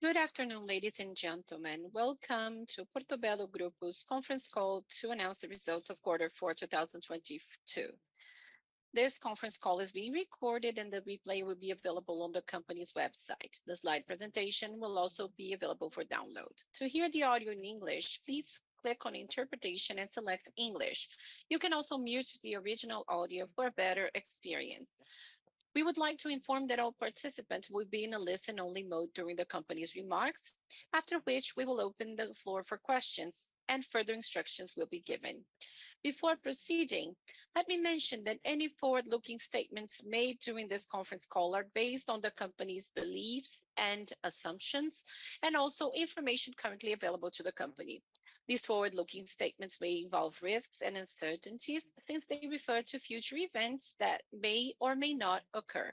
Good afternoon, ladies and gentlemen. Welcome to Portobello Group's conference call to announce the results of quarter four, 2022. This conference call is being recorded and the replay will be available on the company's website. The slide presentation will also be available for download. To hear the audio in English, please click on Interpretation and select English. You can also mute the original audio for a better experience. We would like to inform that all participants will be in a listen-only mode during the company's remarks, after which we will open the floor for questions. Further instructions will be given. Before proceeding, let me mention that any forward-looking statements made during this conference call are based on the company's beliefs and assumptions, also information currently available to the company. These forward-looking statements may involve risks and uncertainties since they refer to future events that may or may not occur.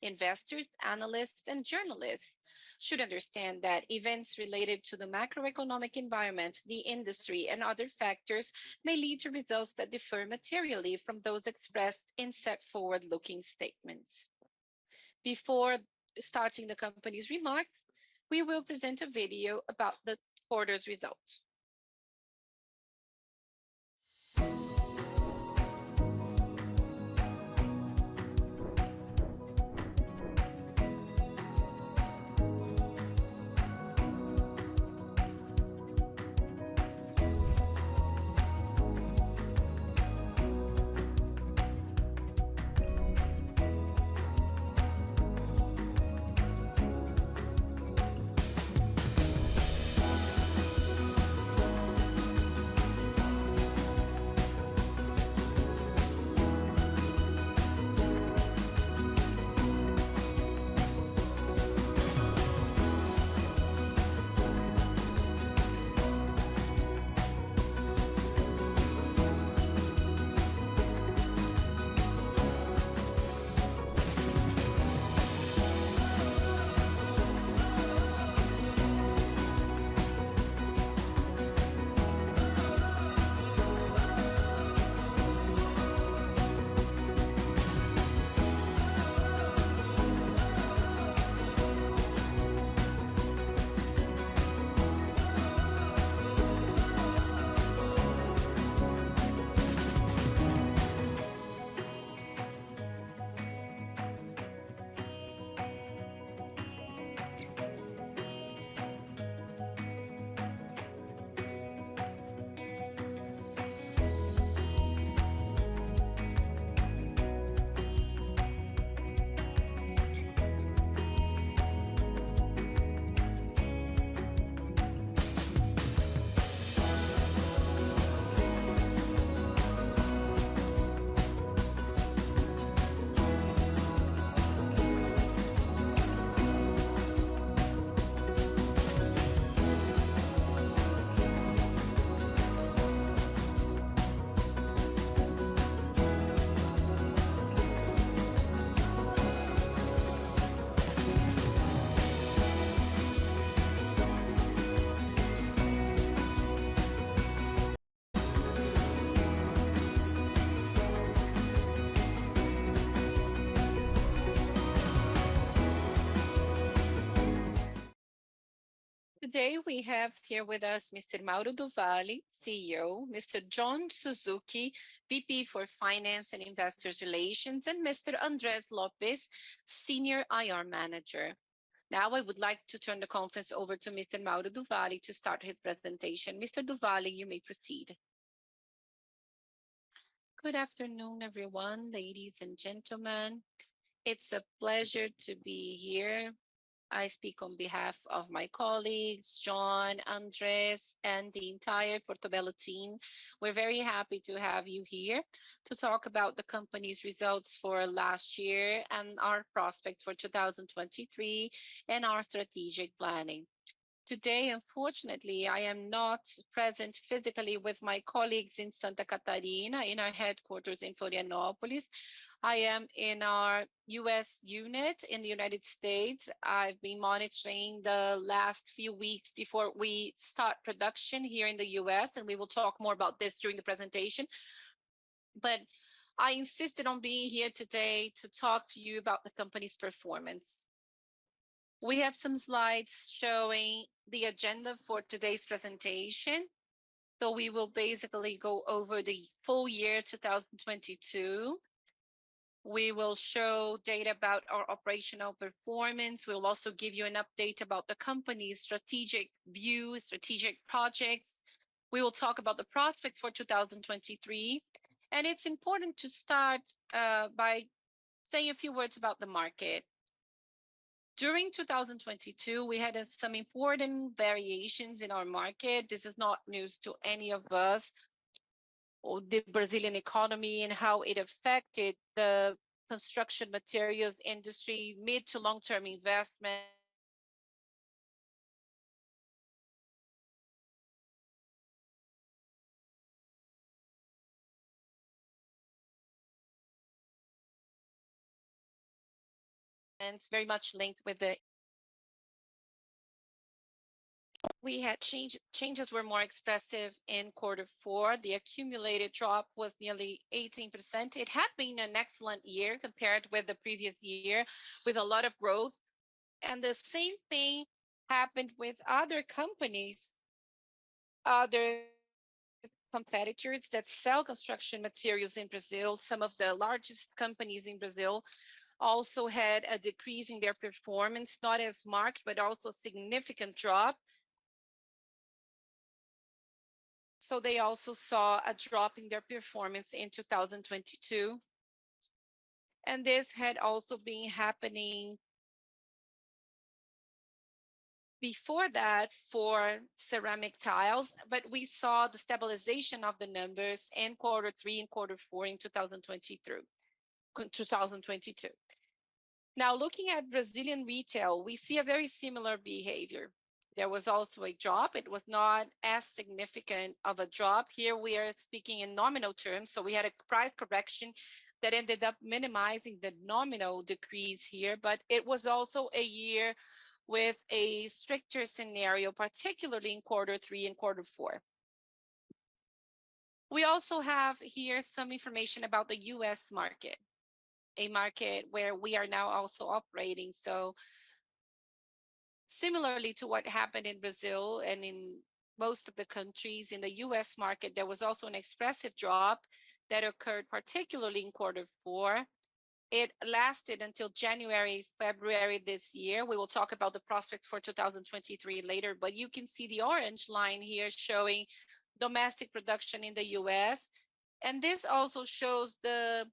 Investors, analysts, and journalists should understand that events related to the macroeconomic environment, the industry, and other factors may lead to results that differ materially from those expressed in such forward-looking statements. Before starting the company's remarks, we will present a video about the quarter's results. Today we have here with us Mr. Mauro do Valle, CEO, Mr. John Suzuki, VP for Finance and Investor Relations, and Mr.André Lopes, Senior IR Manager. I would like to turn the conference over to Mr. Mauro do Valle to start his presentation. Mr. Duvale, you may proceed. Good afternoon, everyone, ladies and gentlemen. It's a pleasure to be here. I speak on behalf of my colleagues, John, Andrés, and the entire Portobello team. We're very happy to have you here to talk about the company's results for last year and our prospects for 2023. Our strategic planning. Today, unfortunately, I am not present physically with my colleagues in Santa Catarina in our headquarters in Florianópolis.I am in our U.S. Unit in the United States.I have been monitoring the last few weeks before we start production here in the U.S.I insisted on being here today to talk to you about the company's perfomance. So we will basically go over the whole year 2022.We will show data about our operational perfomance. We'll also give you an update about the company's strategic view, strategic projects. We will talk about the prospects for 2023. It's important to start by saying a few words about the market. During 2022, we had some important variations in our market. This is not news to any of us. The Brazilian economy and how it affected the construction materials industry, mid to long-term investment... it's very much linked with the changes were more expressive in quarter four. The accumulated drop was nearly 18%. It had been an excellent year compared with the previous year, with a lot of growth. The same thing happened with other companies, other competitors that sell construction materials in Brazil. Some of the largest companies in Brazil also had a decrease in their performance, not as marked, but also significant drop. They also saw a drop in their performance in 2022. This had also been happening before that for ceramic tiles, but we saw the stabilization of the numbers in quarter three and quarter four in 2022. Now looking at Brazilian retail, we see a very similar behavior. There was also a drop. It was not as significant of a drop. Here we are speaking in nominal terms, so we had a price correction that ended up minimizing the nominal decrease here. It was also a year with a stricter scenario, particularly in quarter three and quarter four. We also have here some information about the U.S. market, a market where we are now also operating. Similarly to what happened in Brazil and in most of the countries, in the U.S. market, there was also an expressive drop that occurred particularly in quarter four. It lasted until January, February this year. We will talk about the prospects for 2023 later. You can see the orange line here showing domestic production in the U.S., and this also shows the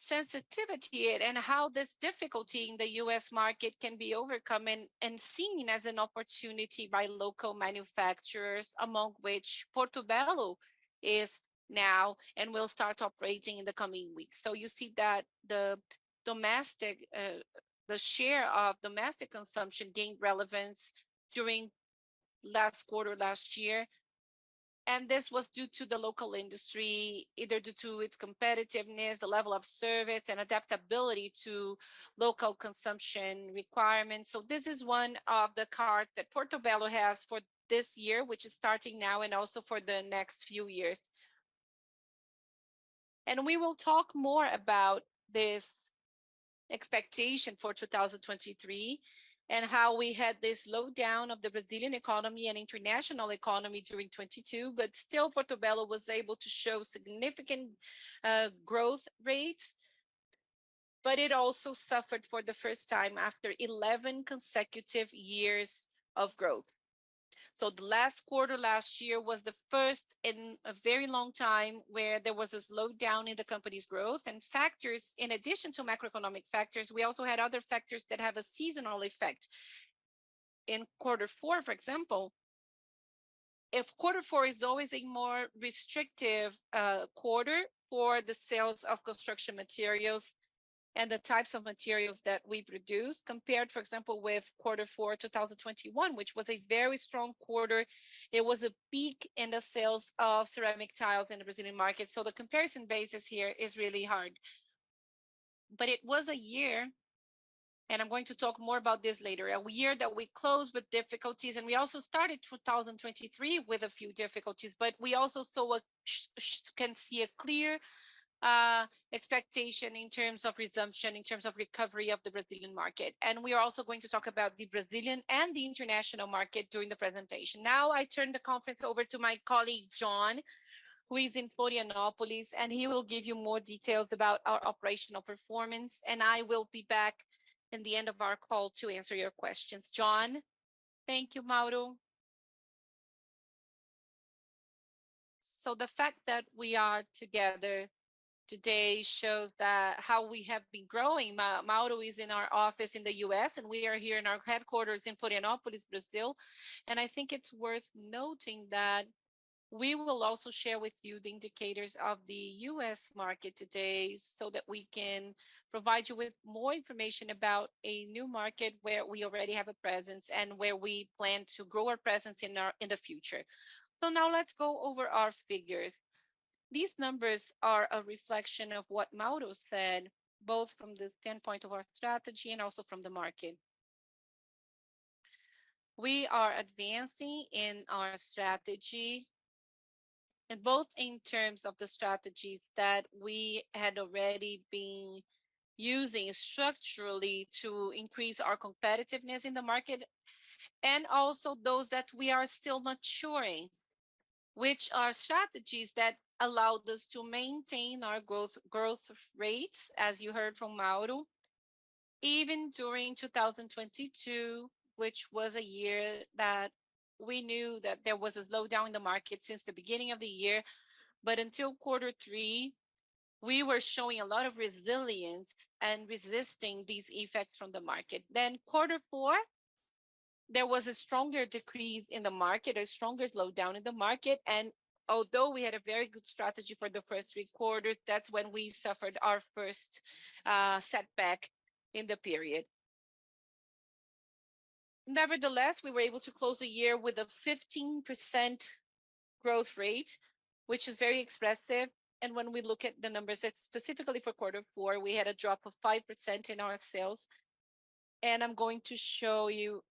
sensitivity and how this difficulty in the U.S. market can be overcome and seen as an opportunity by local manufacturers, among which Portobello is now and will start operating in the coming weeks. You see that the domestic, the share of domestic consumption gained relevance during last quarter last year, and this was due to the local industry, either due to its competitiveness, the level of service, and adaptability to local consumption requirements. This is one of the cards that Portobello has for this year, which is starting now and also for the next few years. We will talk more about this expectation for 2023, and how we had this slowdown of the Brazilian economy and international economy during 2022. Still, Portobello was able to show significant growth rates, but it also suffered for the first time after 11 consecutive years of growth. The last quarter last year was the first in a very long time where there was a slowdown in the company's growth. In addition to macroeconomic factors, we also had other factors that have a seasonal effect. In quarter four, for example, if quarter four is always a more restrictive quarter for the sales of construction materials and the types of materials that we produce, compared, for example, with quarter four, 2021, which was a very strong quarter, it was a peak in the sales of ceramic tile in the Brazilian market. The comparison basis here is really hard. It was a year, and I'm going to talk more about this later, a year that we closed with difficulties, and we also started 2023 with a few difficulties. We also saw a can see a clear expectation in terms of resumption, in terms of recovery of the Brazilian market. We are also going to talk about the Brazilian and the international market during the presentation. Now I turn the conference over to my colleague John, who is in Florianópolis, and he will give you more details about our operational performance, and I will be back in the end of our call to answer your questions. John? Thank you, Mauro. The fact that we are together today shows that how we have been growing. Mauro is in our office in the U.S., we are here in our headquarters in Florianópolis, Brazil. I think it's worth noting that we will also share with you the indicators of the U.S. market today so that we can provide you with more information about a new market where we already have a presence and where we plan to grow our presence in the future. Now let's go over our figures. These numbers are a reflection of what Mauro said, both from the standpoint of our strategy and also from the market. We are advancing in our strategy, and both in terms of the strategy that we had already been using structurally to increase our competitiveness in the market, and also those that we are still maturing, which are strategies that allowed us to maintain our growth rates, as you heard from Mauro, even during 2022, which was a year that we knew that there was a slowdown in the market since the beginning of the year. Until quarter three, we were showing a lot of resilience and resisting these effects from the market. Quarter four, there was a stronger decrease in the market, a stronger slowdown in the market, and although we had a very good strategy for the first three quarters, that's when we suffered our first setback in the period. Nevertheless, we were able to close the year with a 15% growth rate, which is very expressive. When we look at the numbers specifically for quarter four, we had a drop of 5% in our sales. I'm going to show you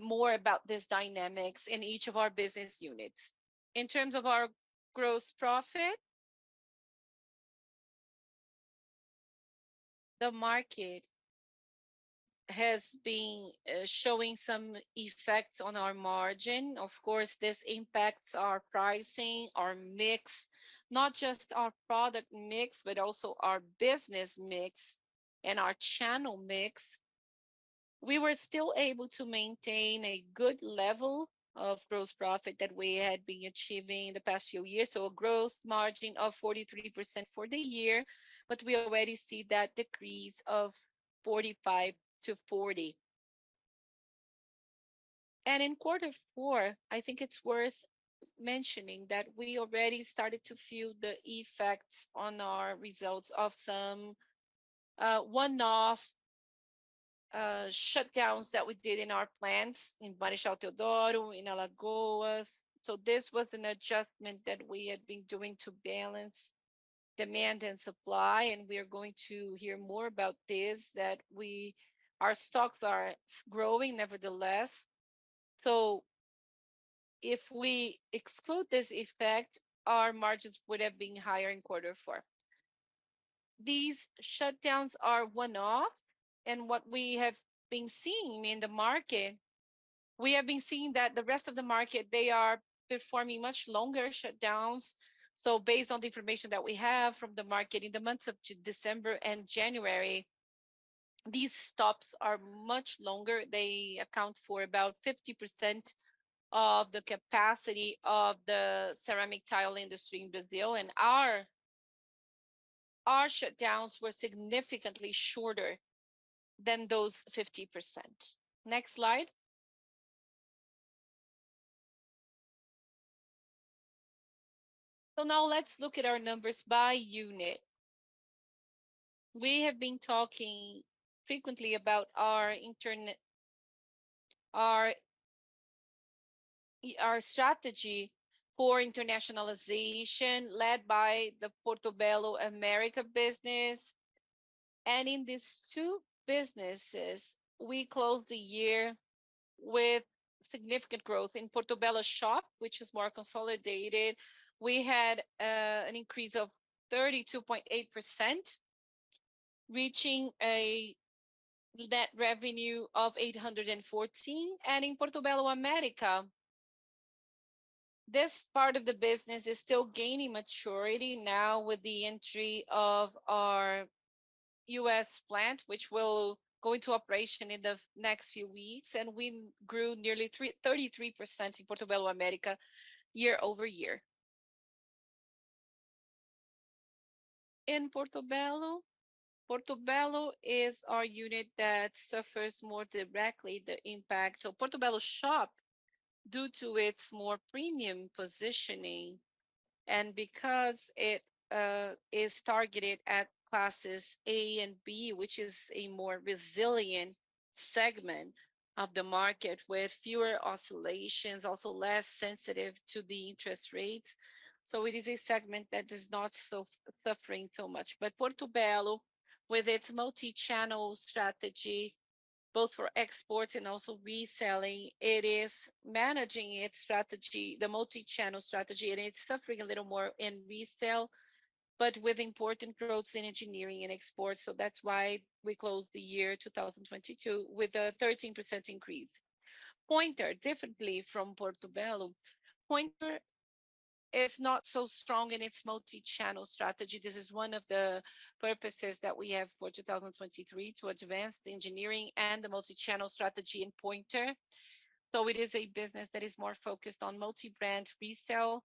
more about this dynamics in each of our business units. In terms of our gross profit, the market has been showing some effects on our margin. Of course, this impacts our pricing, our mix, not just our product mix, but also our business mix and our channel mix. We were still able to maintain a good level of gross profit that we had been achieving the past few years. A gross margin of 43% for the year, but we already see that decrease of 45%-40%. In quarter four, I think it's worth mentioning that we already started to feel the effects on our results of some one-off shutdowns that we did in our plants in Marechal Deodoro, in Alagoas. This was an adjustment that we had been doing to balance demand and supply, and we are going to hear more about this, that our stocks are growing nevertheless. If we exclude this effect, our margins would have been higher in quarter four. These shutdowns are one-off, and what we have been seeing in the market, we have been seeing that the rest of the market, they are performing much longer shutdowns. Based on the information that we have from the market in the months of December and January, these stops are much longer. They account for about 50% of the capacity of the ceramic tile industry in Brazil. Our shutdowns were significantly shorter than those 50%. Next slide. Now let's look at our numbers by unit. We have been talking frequently about our strategy for internationalization led by the Portobello America business. In these two businesses, we closed the year with significant growth. In Portobello Shop, which is more consolidated, we had an increase of 32.8%, reaching a net revenue of 814. In Portobello America, this part of the business is still gaining maturity now with the entry of our U.S. plant, which will go into operation in the next few weeks. We grew nearly 33% in Portobello America year-over-year. In Portobello is our unit that suffers more directly the impact of Portobello Shop due to its more premium positioning and because it is targeted at classes A and B, which is a more resilient segment of the market with fewer oscillations, also less sensitive to the interest rate. It is a segment that is not suffering so much. Portobello, with its multi-channel strategy, both for exports and also reselling, it is managing its strategy, the multi-channel strategy, and it's suffering a little more in resale, but with important growth in engineering and exports. That's why we closed the year 2022 with a 13% increase. Pointer, differently from Portobello, Pointer is not so strong in its multi-channel strategy. This is one of the purposes that we have for 2023, to advance the engineering and the multi-channel strategy in Pointer. It is a business that is more focused on multi-brand resale.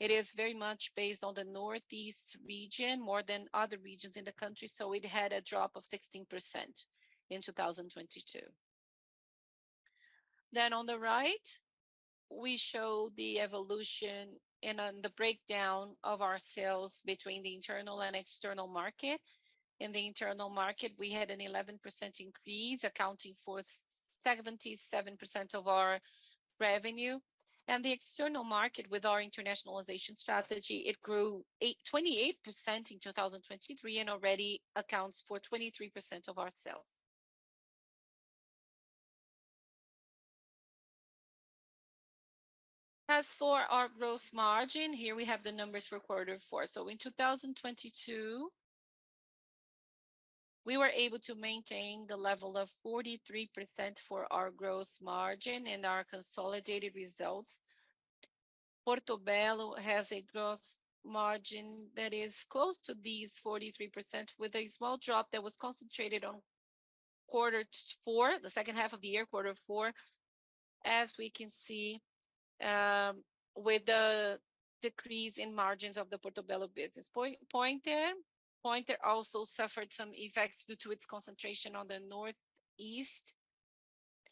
It is very much based on the northeast region more than other regions in the country, it had a drop of 16% in 2022. On the right, we show the evolution and the breakdown of our sales between the internal and external market. In the internal market, we had an 11% increase, accounting for 77% of our revenue. The external market, with our internationalization strategy, it grew 28% in 2023 and already accounts for 23% of our sales. As for our gross margin, here we have the numbers for quarter four. In 2022, we were able to maintain the level of 43% for our gross margin in our consolidated results. Portobello has a gross margin that is close to these 43% with a small drop that was concentrated on quarter four, the second half of the year, quarter four. As we can see, with the decrease in margins of the Portobello business. Pointer also suffered some effects due to its concentration on the Northeast.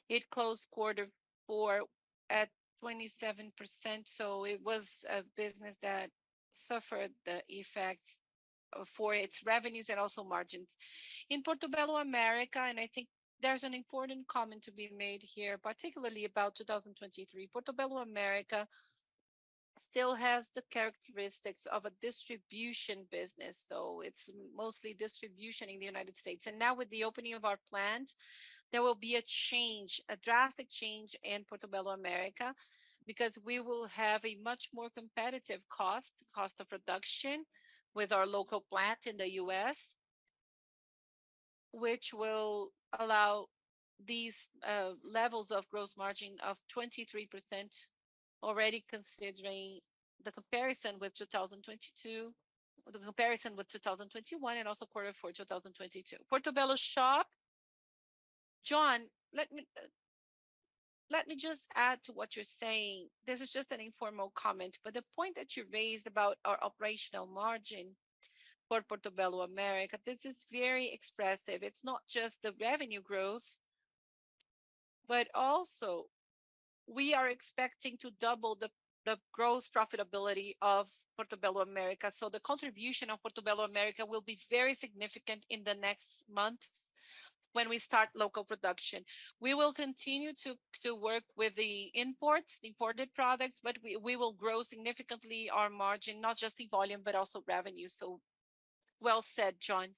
It closed quarter four at 27%, so it was a business that suffered the effects for its revenues and also margins. In Portobello America, I think there's an important comment to be made here, particularly about 2023. Portobello America still has the characteristics of a distribution business, so it's mostly distribution in the United States. Now with the opening of our plant, there will be a change, a drastic change in Portobello America, because we will have a much more competitive cost of production with our local plant in the U.S., which will allow these levels of gross margin of 23% already considering the comparison with 2022, the comparison with 2021 and also quarter four 2022. Portobello Shop. John, let me just add to what you're saying. This is just an informal comment, but the point that you raised about our operational margin for Portobello America, this is very expressive. It's not just the revenue growth, but also we are expecting to double the gross profitability of Portobello America. The contribution of Portobello America will be very significant in the next months when we start local production. We will continue to work with the imports, the imported products, but we will grow significantly our margin, not just the volume, but also revenue. Well said, John.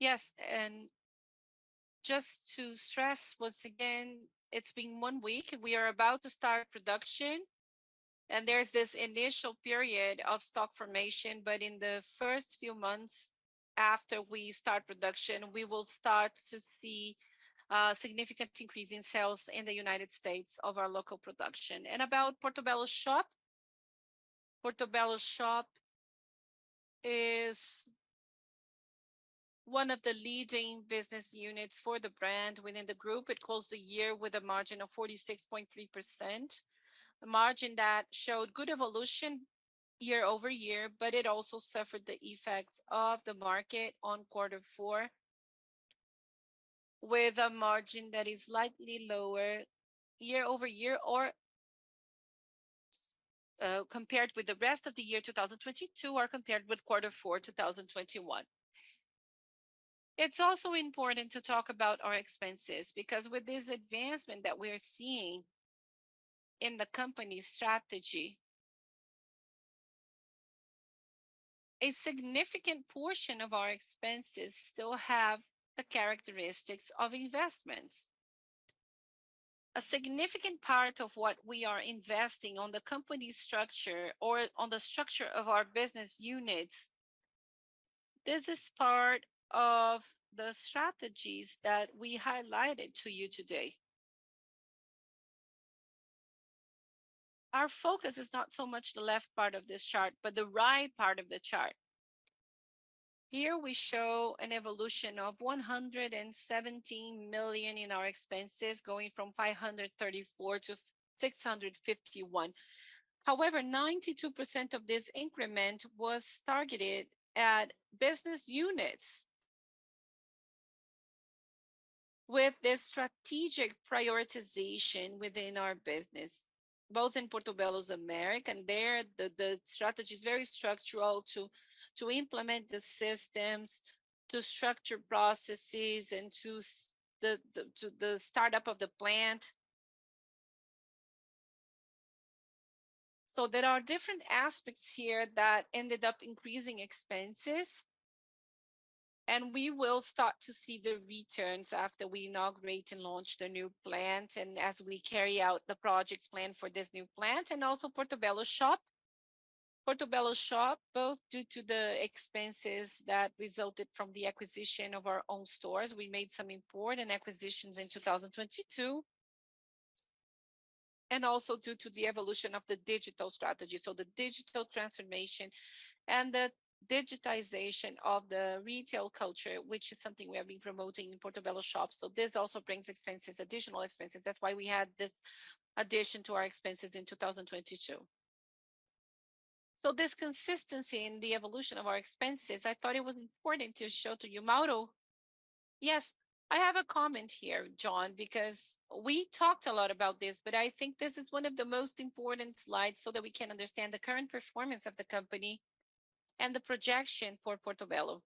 Yes, just to stress once again, it's been one week. We are about to start production, and there's this initial period of stock formation. In the first few months after we start production, we will start to see a significant increase in sales in the United States of our local production. About Portobello Shop, Portobello Shop is one of the leading business units for the brand within the group. It closed the year with a margin of 46.3%, a margin that showed good evolution year-over-year, but it also suffered the effects of the market on quarter four, with a margin that is slightly lower year-over-year or compared with the rest of the year 2022, or compared with quarter four 2021. It's also important to talk about our expenses, because with this advancement that we're seeing in the company's strategy, a significant portion of our expenses still have the characteristics of investments. A significant part of what we are investing on the company's structure or on the structure of our business units, this is part of the strategies that we highlighted to you today. Our focus is not so much the left part of this chart, but the right part of the chart. Here we show an evolution of 117 million in our expenses going from 534 million-651 million. However, 92% of this increment was targeted at business units with the strategic prioritization within our business, both in Portobello America, and there the strategy is very structural to implement the systems, to structure processes, and to the startup of the plant. There are different aspects here that ended up increasing expenses, and we will start to see the returns after we inaugurate and launch the new plant and as we carry out the projects planned for this new plant. Also Portobello Shop, both due to the expenses that resulted from the acquisition of our own stores, we made some important acquisitions in 2022, and also due to the evolution of the digital strategy. The digital transformation and the digitization of the retail culture, which is something we have been promoting in Portobello Shop. This also brings expenses, additional expenses. That's why we had this addition to our expenses in 2022. This consistency in the evolution of our expenses, I thought it was important to show to you, Mauro. Yes, I have a comment here, John, because we talked a lot about this, but I think this is one of the most important slides so that we can understand the current performance of the company and the projection for Portobello.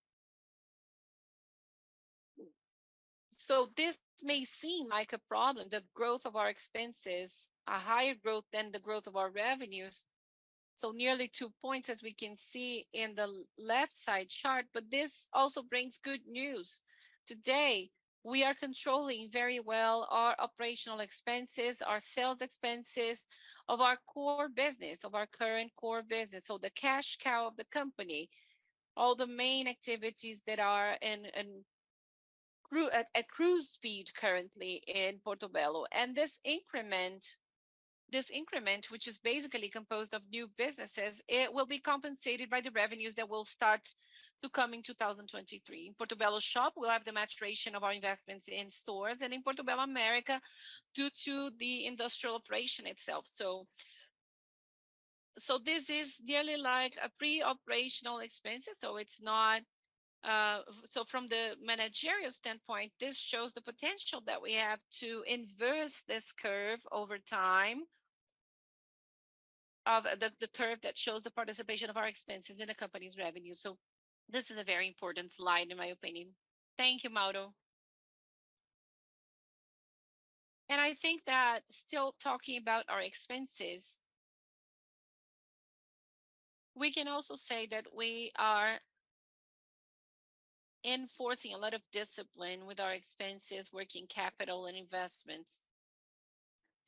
This may seem like a problem, the growth of our expenses, a higher growth than the growth of our revenues, nearly two points as we can see in the left side chart, but this also brings good news. Today, we are controlling very well our operational expenses, our sales expenses of our core business, of our current core business. The cash cow of the company, all the main activities that are at cruise speed currently in Portobello. This increment, which is basically composed of new businesses, it will be compensated by the revenues that will start to come in 2023. Portobello Shop will have the maturation of our investments in store, then in Portobello America due to the industrial operation itself. This is really like a pre-operational expenses, it's not. From the managerial standpoint, this shows the potential that we have to inverse this curve over time, of the curve that shows the participation of our expenses in the company's revenue. This is a very important slide, in my opinion. Thank you, Mauro. I think that still talking about our expenses, we can also say that we are enforcing a lot of discipline with our expenses, working capital, and investments.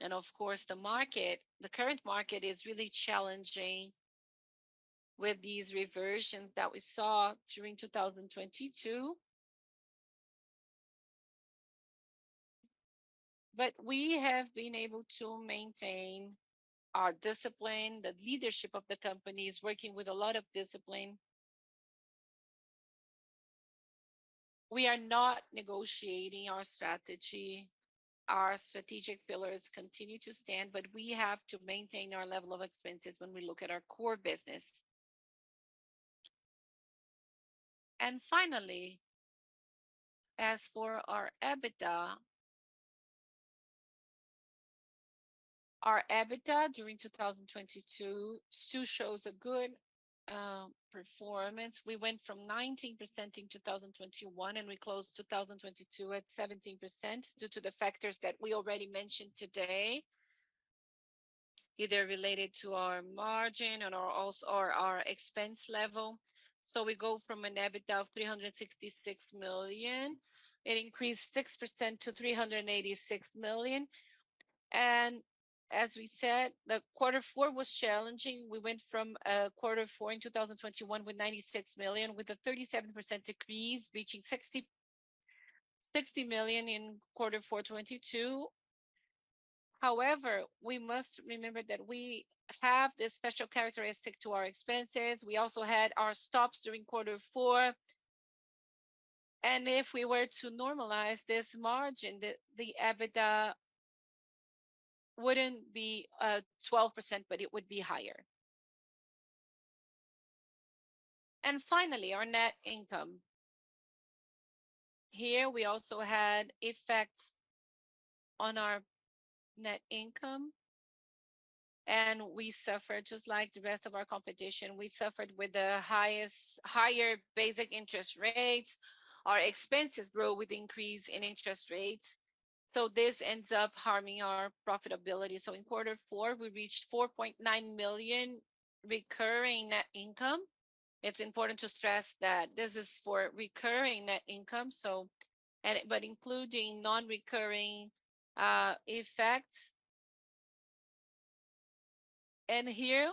Of course, the current market is really challenging with these reversions that we saw during 2022. We have been able to maintain our discipline. The leadership of the company is working with a lot of discipline. We are not negotiating our strategy. Our strategic pillars continue to stand, but we have to maintain our level of expenses when we look at our core business. Finally, as for our EBITDA, our EBITDA during 2022 still shows a good performance. We went from 19% in 2021. We closed 2022 at 17% due to the factors that we already mentioned today, either related to our margin or our expense level. We go from an EBITDA of 366 million. It increased 6% to 386 million. As we said, the quarter four was challenging. We went from quarter four in 2021 with 96 million, with a 37% decrease, reaching 60 million in quarter four 2022. However, we must remember that we have this special characteristic to our expenses. We also had our stops during quarter four. If we were to normalize this margin, the EBITDA wouldn't be 12%, but it would be higher. Finally, our net income. We also had effects on our net income, and we suffered just like the rest of our competition. We suffered with the higher basic interest rates. Our expenses grow with increase in interest rates, so this ends up harming our profitability. In quarter four, we reached 4.9 million recurring net income. It's important to stress that this is for recurring net income, but including non-recurring effects. Here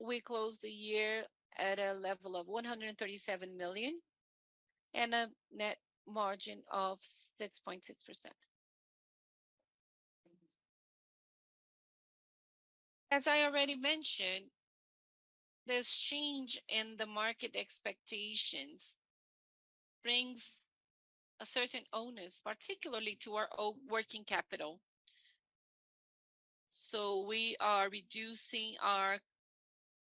we closed the year at a level of 137 million and a net margin of 6.6%. As I already mentioned, this change in the market expectations brings a certain onus, particularly to our working capital. We are reducing our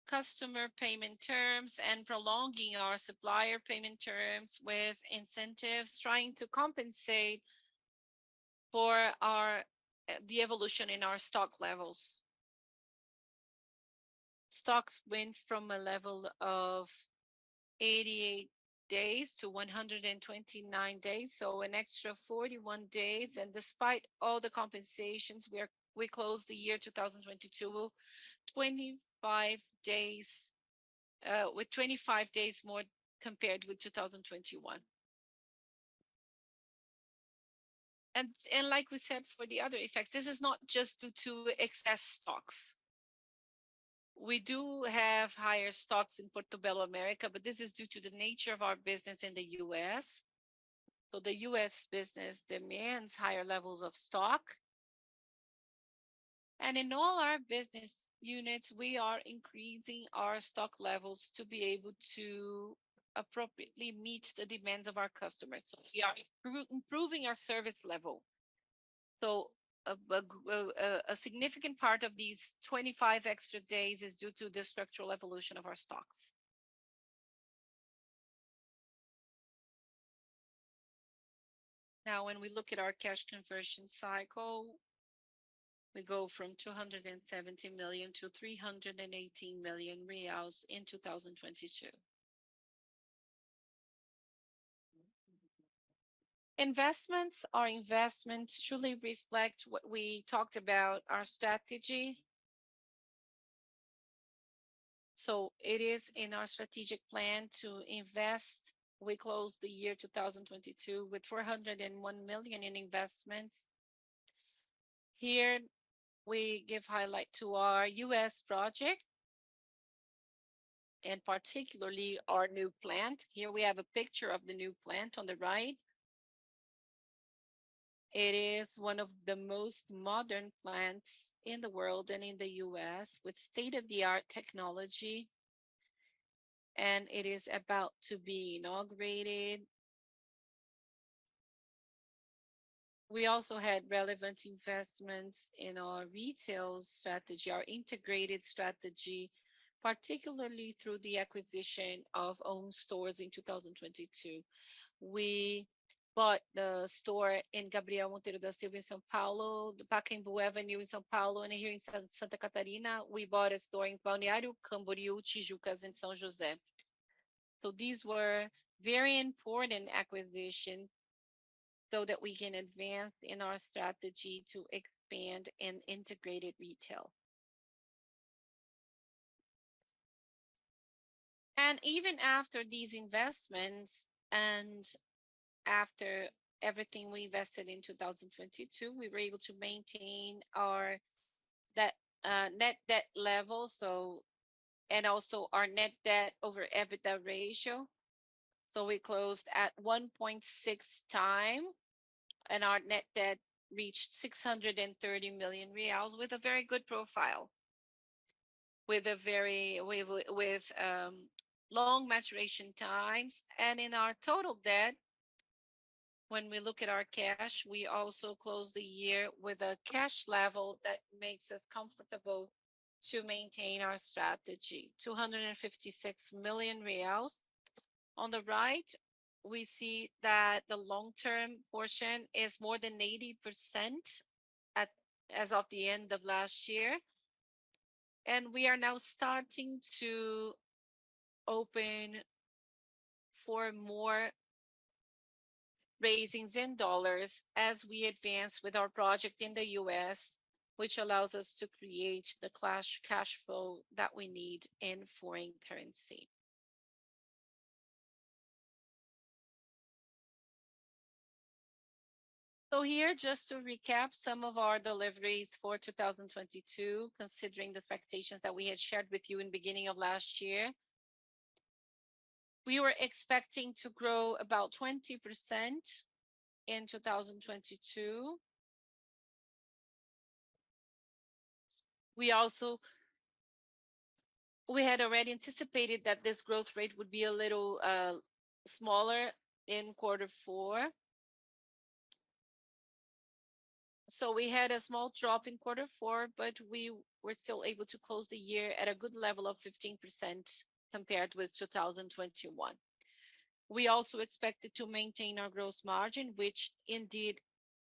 customer payment terms and prolonging our supplier payment terms with incentives, trying to compensate for our the evolution in our stock levels. Stocks went from a level of 88 days to 129 days, so an extra 41 days. Despite all the compensations, we closed the year 2022 with 25 days more compared with 2021. Like we said, for the other effects, this is not just due to excess stocks. We do have higher stocks in Portobello America, but this is due to the nature of our business in the U.S. The U.S. business demands higher levels of stock. In all our business units, we are increasing our stock levels to be able to appropriately meet the demands of our customers, so we are improving our service level. A significant part of these 25 extra days is due to the structural evolution of our stock. When we look at our cash conversion cycle, we go from 270 million-318 million reais in 2022. Investments. Our investments truly reflect what we talked about, our strategy. It is in our strategic plan to invest. We closed the year 2022 with 401 million in investments. Here we give highlight to our U.S. project, and particularly our new plant. Here we have a picture of the new plant on the right. It is one of the most modern plants in the world and in the U.S. with state-of-the-art technology, and it is about to be inaugurated. We also had relevant investments in our retail strategy, our integrated strategy, particularly through the acquisition of own stores in 2022. We bought the store in Gabriel Monteiro da Silva in São Paulo, the Pacaembu Avenue in São Paulo, and here in Santa Catarina, we bought a store in Balneário Camboriú, Tijucas, and São José. These were very important acquisitions so that we can advance in our strategy to expand in integrated retail. Even after these investments and after everything we invested in 2022, we were able to maintain our debt, net debt level. Also our net debt over EBITDA ratio. We closed at 1.6x, and our net debt reached 630 million reais with a very good profile, with long maturation times. In our total debt, when we look at our cash, we also close the year with a cash level that makes us comfortable to maintain our strategy, 256 million reais. On the right, we see that the long-term portion is more than 80% as of the end of last year. We are now starting to open for more raisings in dollars as we advance with our project in the U.S., which allows us to create the cash flow that we need in foreign currency. Here, just to recap some of our deliveries for 2022, considering the expectations that we had shared with you in beginning of last year. We had already anticipated that this growth rate would be a little smaller in quarter four. We had a small drop in quarter four, but we were still able to close the year at a good level of 15% compared with 2021. We also expected to maintain our gross margin, which indeed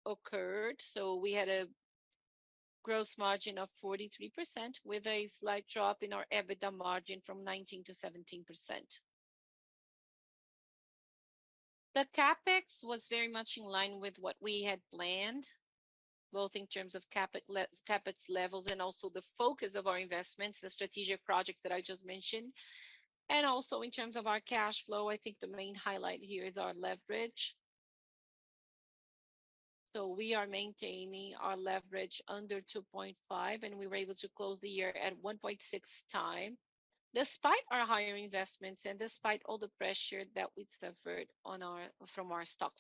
occurred. We had a gross margin of 43% with a slight drop in our EBITDA margin from 19%-17%. The CapEx was very much in line with what we had planned, both in terms of CapEx levels and also the focus of our investments, the strategic projects that I just mentioned. Also in terms of our cash flow, I think the main highlight here is our leverage. We are maintaining our leverage under 2.5x, and we were able to close the year at 1.6x, despite our higher investments and despite all the pressure that we suffered from our stock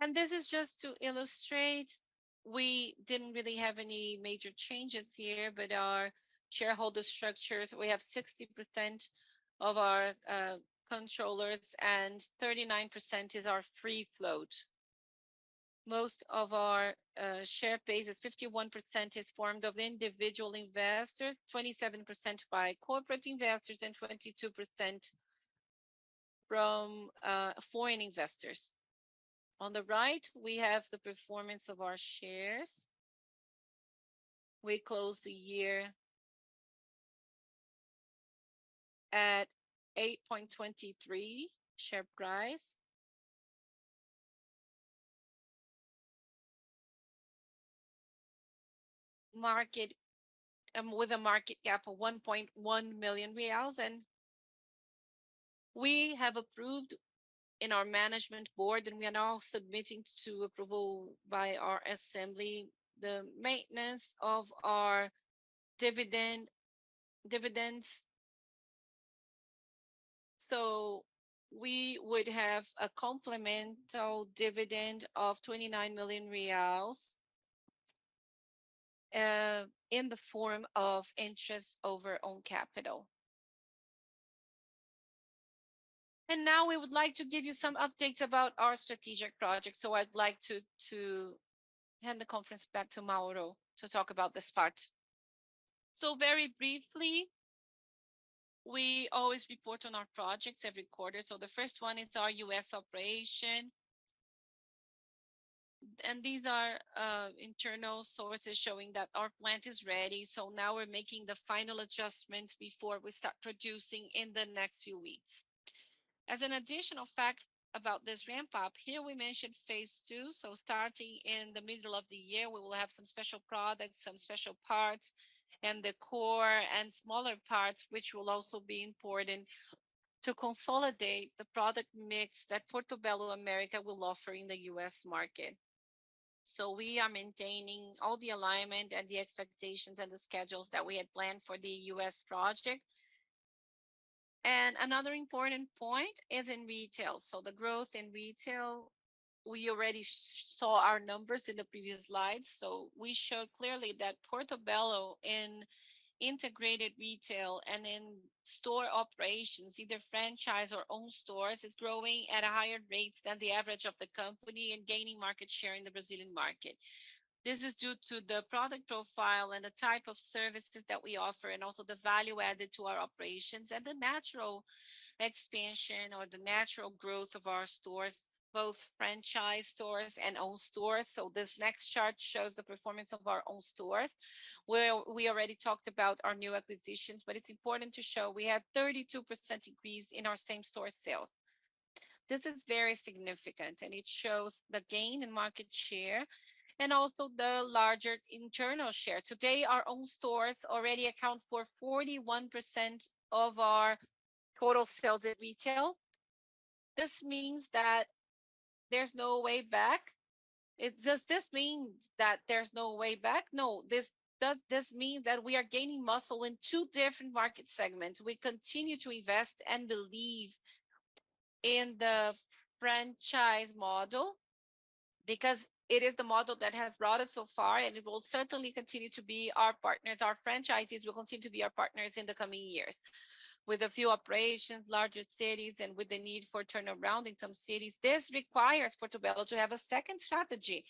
level. This is just to illustrate, we didn't really have any major changes here, but our shareholder structure, we have 60% of our controllers, and 39% is our free float. Most of our share base at 51% is formed of individual investors, 27% by corporate investors, and 22% from foreign investors. On the right, we have the performance of our shares. We closed the year at BRL 8.23 share price, with a market cap of 1.1 million reais. We have approved in our management board, and we are now submitting to approval by our assembly, the maintenance of our dividend. We would have a complemental dividend of BRL 29 million in the form of interest on net equity. Now we would like to give you some updates about our strategic projects. I'd like to hand the conference back to Mauro to talk about this part. Very briefly, we always report on our projects every quarter. The first one is our U.S. operation. These are internal sources showing that our plant is ready, so now we're making the final adjustments before we start producing in the next few weeks. As an additional fact about this ramp-up, here we mentioned phase II. Starting in the middle of the year, we will have some special products, some special parts, and the core and smaller parts, which will also be important to consolidate the product mix that Portobello America will offer in the U.S. market. We are maintaining all the alignment and the expectations and the schedules that we had planned for the U.S. project. Another important point is in retail. The growth in retail. We already saw our numbers in the previous slides. We showed clearly that Portobello in integrated retail and in store operations, either franchise or own stores, is growing at a higher rate than the average of the company and gaining market share in the Brazilian market. This is due to the product profile and the type of services that we offer, and also the value added to our operations and the natural expansion or the natural growth of our stores, both franchise stores and own stores. This next chart shows the performance of our own stores, where we already talked about our new acquisitions, but it's important to show we had 32% increase in our same-store sales. This is very significant, and it shows the gain in market share and also the larger internal share. Today, our own stores already account for 41% of our total sales at retail. This means that there's no way back. Does this mean that there's no way back? No. Does this mean that we are gaining muscle in two different market segments? We continue to invest and believe in the franchise model because it is the model that has brought us so far, and it will certainly continue to be our partners. Our franchises will continue to be our partners in the coming years. With a few operations, larger cities, and with the need for turnaround in some cities, this requires Portobello to have a second strategy.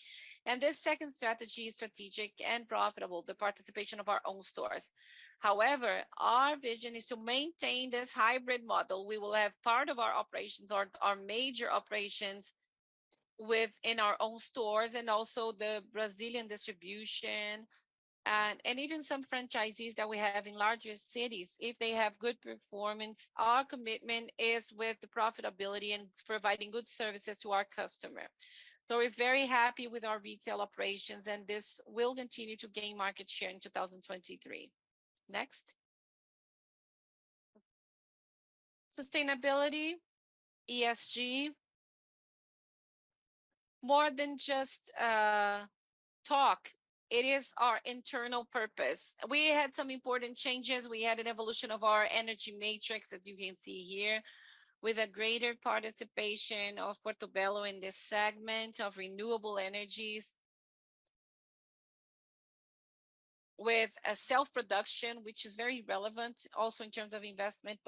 This second strategy is strategic and profitable, the participation of our own stores. Our vision is to maintain this hybrid model. We will have part of our operations or our major operations in our own stores and also the Brazilian distribution and even some franchisees that we have in larger cities, if they have good performance, our commitment is with the profitability and providing good services to our customer. We're very happy with our retail operations, and this will continue to gain market share in 2023. Next. Sustainability, ESG, more than just talk, it is our internal purpose. We had some important changes. We had an evolution of our energy matrix, as you can see here, with a greater participation of Portobello in this segment of renewable energies. With a self-production, which is very relevant also in terms of investment.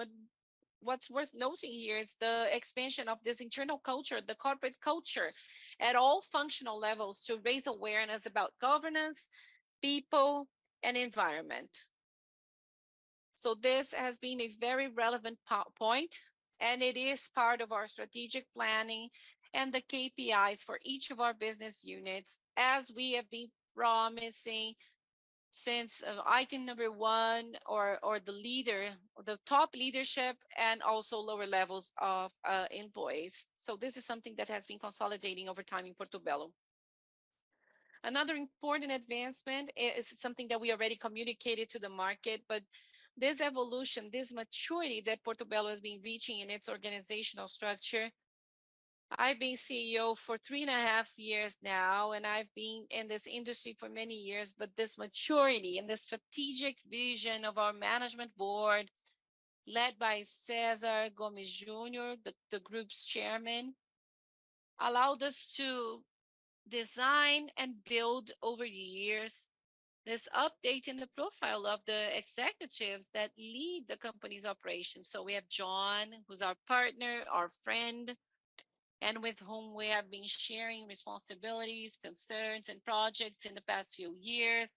What's worth noting here is the expansion of this internal culture, the corporate culture, at all functional levels to raise awareness about governance, people and environment. This has been a very relevant point, and it is part of our strategic planning and the KPIs for each of our business units, as we have been promising since item number one or the leader, the top leadership, and also lower levels of employees. This is something that has been consolidating over time in Portobello. Another important advancement is something that we already communicated to the market, but this evolution, this maturity that Portobello has been reaching in its organizational structure, I've been CEO for three and a half years now, and I've been in this industry for many years, but this maturity and the strategic vision of our management board, led by Cesar Gomes Junior, the group's Chairman, allowed us to design and build over the years this update in the profile of the executives that lead the company's operations. We have John, who's our partner, our friend, and with whom we have been sharing responsibilities, concerns, and projects in the past few years.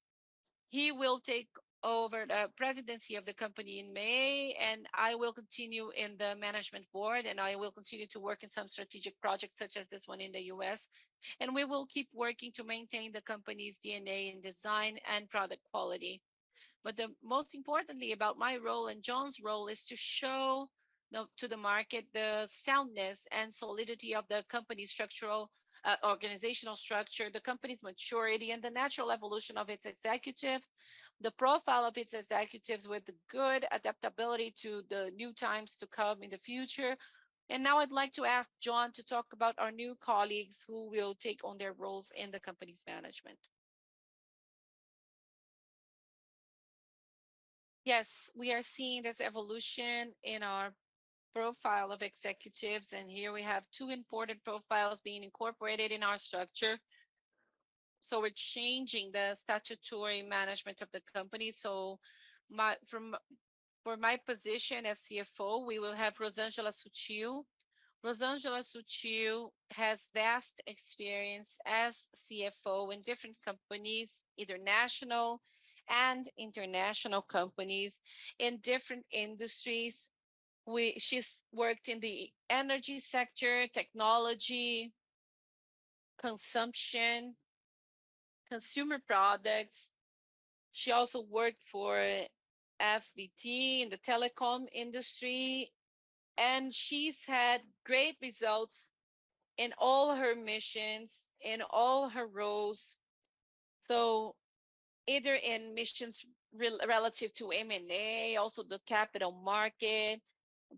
He will take over the presidency of the company in May, and I will continue in the management board, and I will continue to work in some strategic projects such as this one in the U.S., and we will keep working to maintain the company's DNA in design and product quality. The most importantly about my role and John's role is to show to the market the soundness and solidity of the company's structural organizational structure, the company's maturity, and the natural evolution of its executives, the profile of its executives with good adaptability to the new times to come in the future. Now I'd like to ask John to talk about our new colleagues who will take on their roles in the company's management. Yes, we are seeing this evolution in our profile of executives, and here we have two important profiles being incorporated in our structure. We're changing the statutory management of the company. For my position as CFO, we will have Rosângela Sutil. Rosângela Sutil has vast experience as CFO in different companies, either national and international companies in different industries. She's worked in the energy sector, technology, consumption, consumer products. She also worked for FDT in the telecom industry, and she's had great results in all her missions, in all her roles. Either in missions relative to M&A, also the capital market,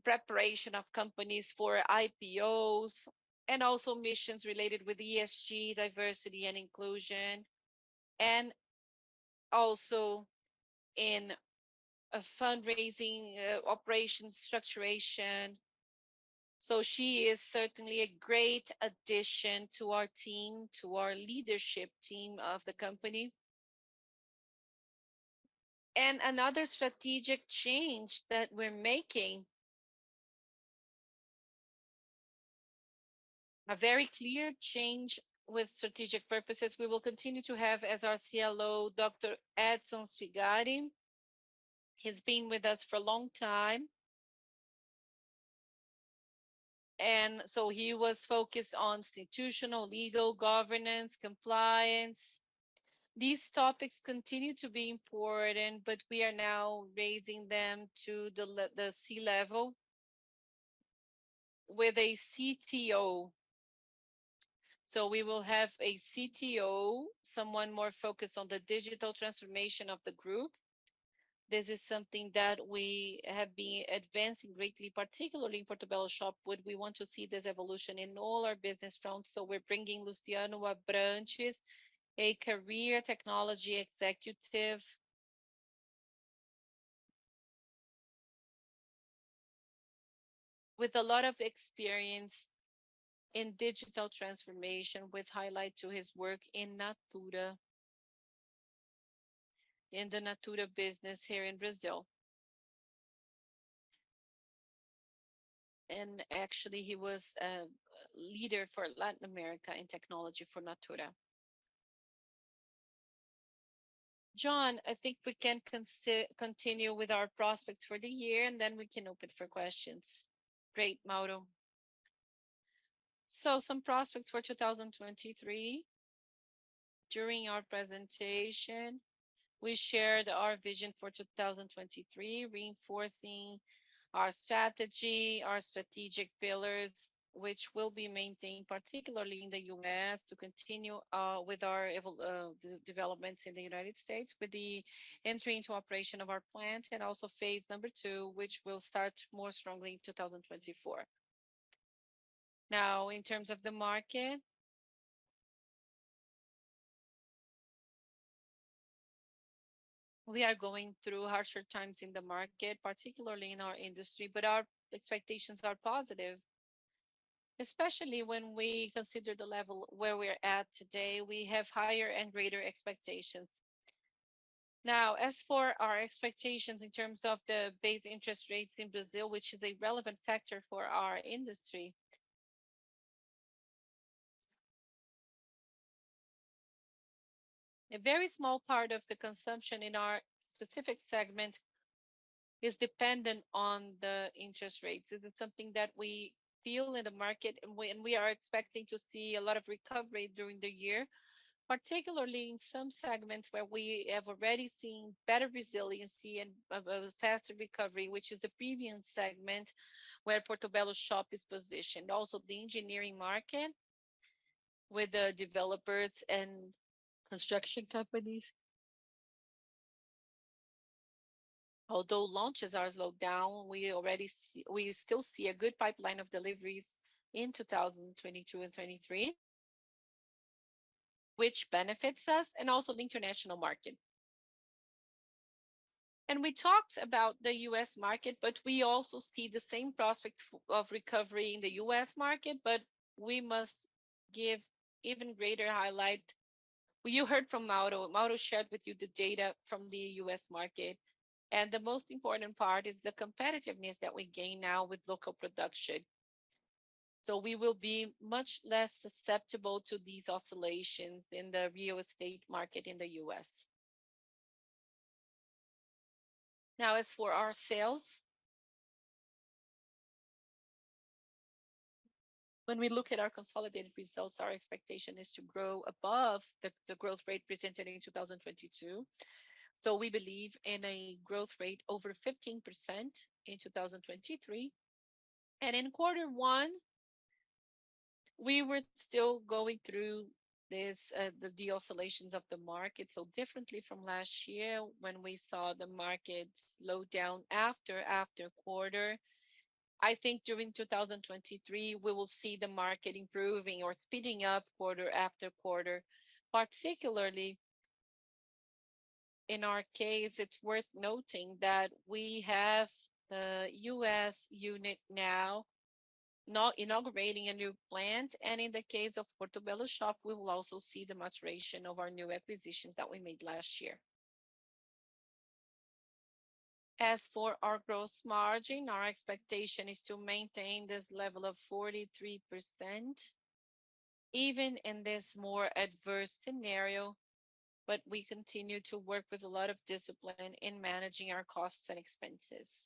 preparation of companies for IPOs, and also missions related with ESG, diversity and inclusion. Also in a fundraising, operations structuration. She is certainly a great addition to our team, to our leadership team of the company. Another strategic change that we're making, a very clear change with strategic purposes, we will continue to have as our CLO Dr. Edson Svigari. He's been with us for a long time. He was focused on institutional, legal, governance, compliance. These topics continue to be important, but we are now raising them to the C-level with a CTO. We will have a CTO, someone more focused on the digital transformation of the group. This is something that we have been advancing greatly, particularly in Portobello Shop, but we want to see this evolution in all our business fronts. We're bringing Luciano Abranches, a career technology executive with a lot of experience in digital transformation, with highlight to his work in Natura, in the Natura business here in Brazil. Actually, he was a leader for Latin America in technology for Natura. John, I think we can continue with our prospects for the year, and then we can open for questions. Great, Mauro. Some prospects for 2023. During our presentation, we shared our vision for 2023, reinforcing our strategy, our strategic pillars, which will be maintained particularly in the U.S. to continue with our developments in the United States with the entry into operation of our plant and also phase II, which will start more strongly in 2024. In terms of the market, we are going through harsher times in the market, particularly in our industry, but our expectations are positive, especially when we consider the level where we're at today, we have higher and greater expectations. As for our expectations in terms of the base interest rates in Brazil, which is a relevant factor for our industry. A very small part of the consumption in our specific segment is dependent on the interest rates. This is something that we feel in the market and we are expecting to see a lot of recovery during the year, particularly in some segments where we have already seen better resiliency and a faster recovery, which is the premium segment where Portobello Shop is positioned. The engineering market with the developers and construction companies. Although launches are slowed down, we still see a good pipeline of deliveries in 2022 and 2023, which benefits us and also the international market. We talked about the U.S. market, we also see the same prospects of recovery in the U.S. market, we must give even greater highlight. You heard from Mauro. Mauro shared with you the data from the U.S. market, the most important part is the competitiveness that we gain now with local production. We will be much less susceptible to these oscillations in the real estate market in the U.S. As for our sales, when we look at our consolidated results, our expectation is to grow above the growth rate presented in 2022. We believe in a growth rate over 15% in 2023. In quarter one, we were still going through this de-oscillations of the market. Differently from last year when we saw the market slow down after quarter, I think during 2023, we will see the market improving or speeding up quarter after quarter. Particularly in our case, it's worth noting that we have the U.S. unit now inaugurating a new plant. In the case of Portobello Shop, we will also see the maturation of our new acquisitions that we made last year. As for our gross margin, our expectation is to maintain this level of 43%, even in this more adverse scenario, we continue to work with a lot of discipline in managing our costs and expenses.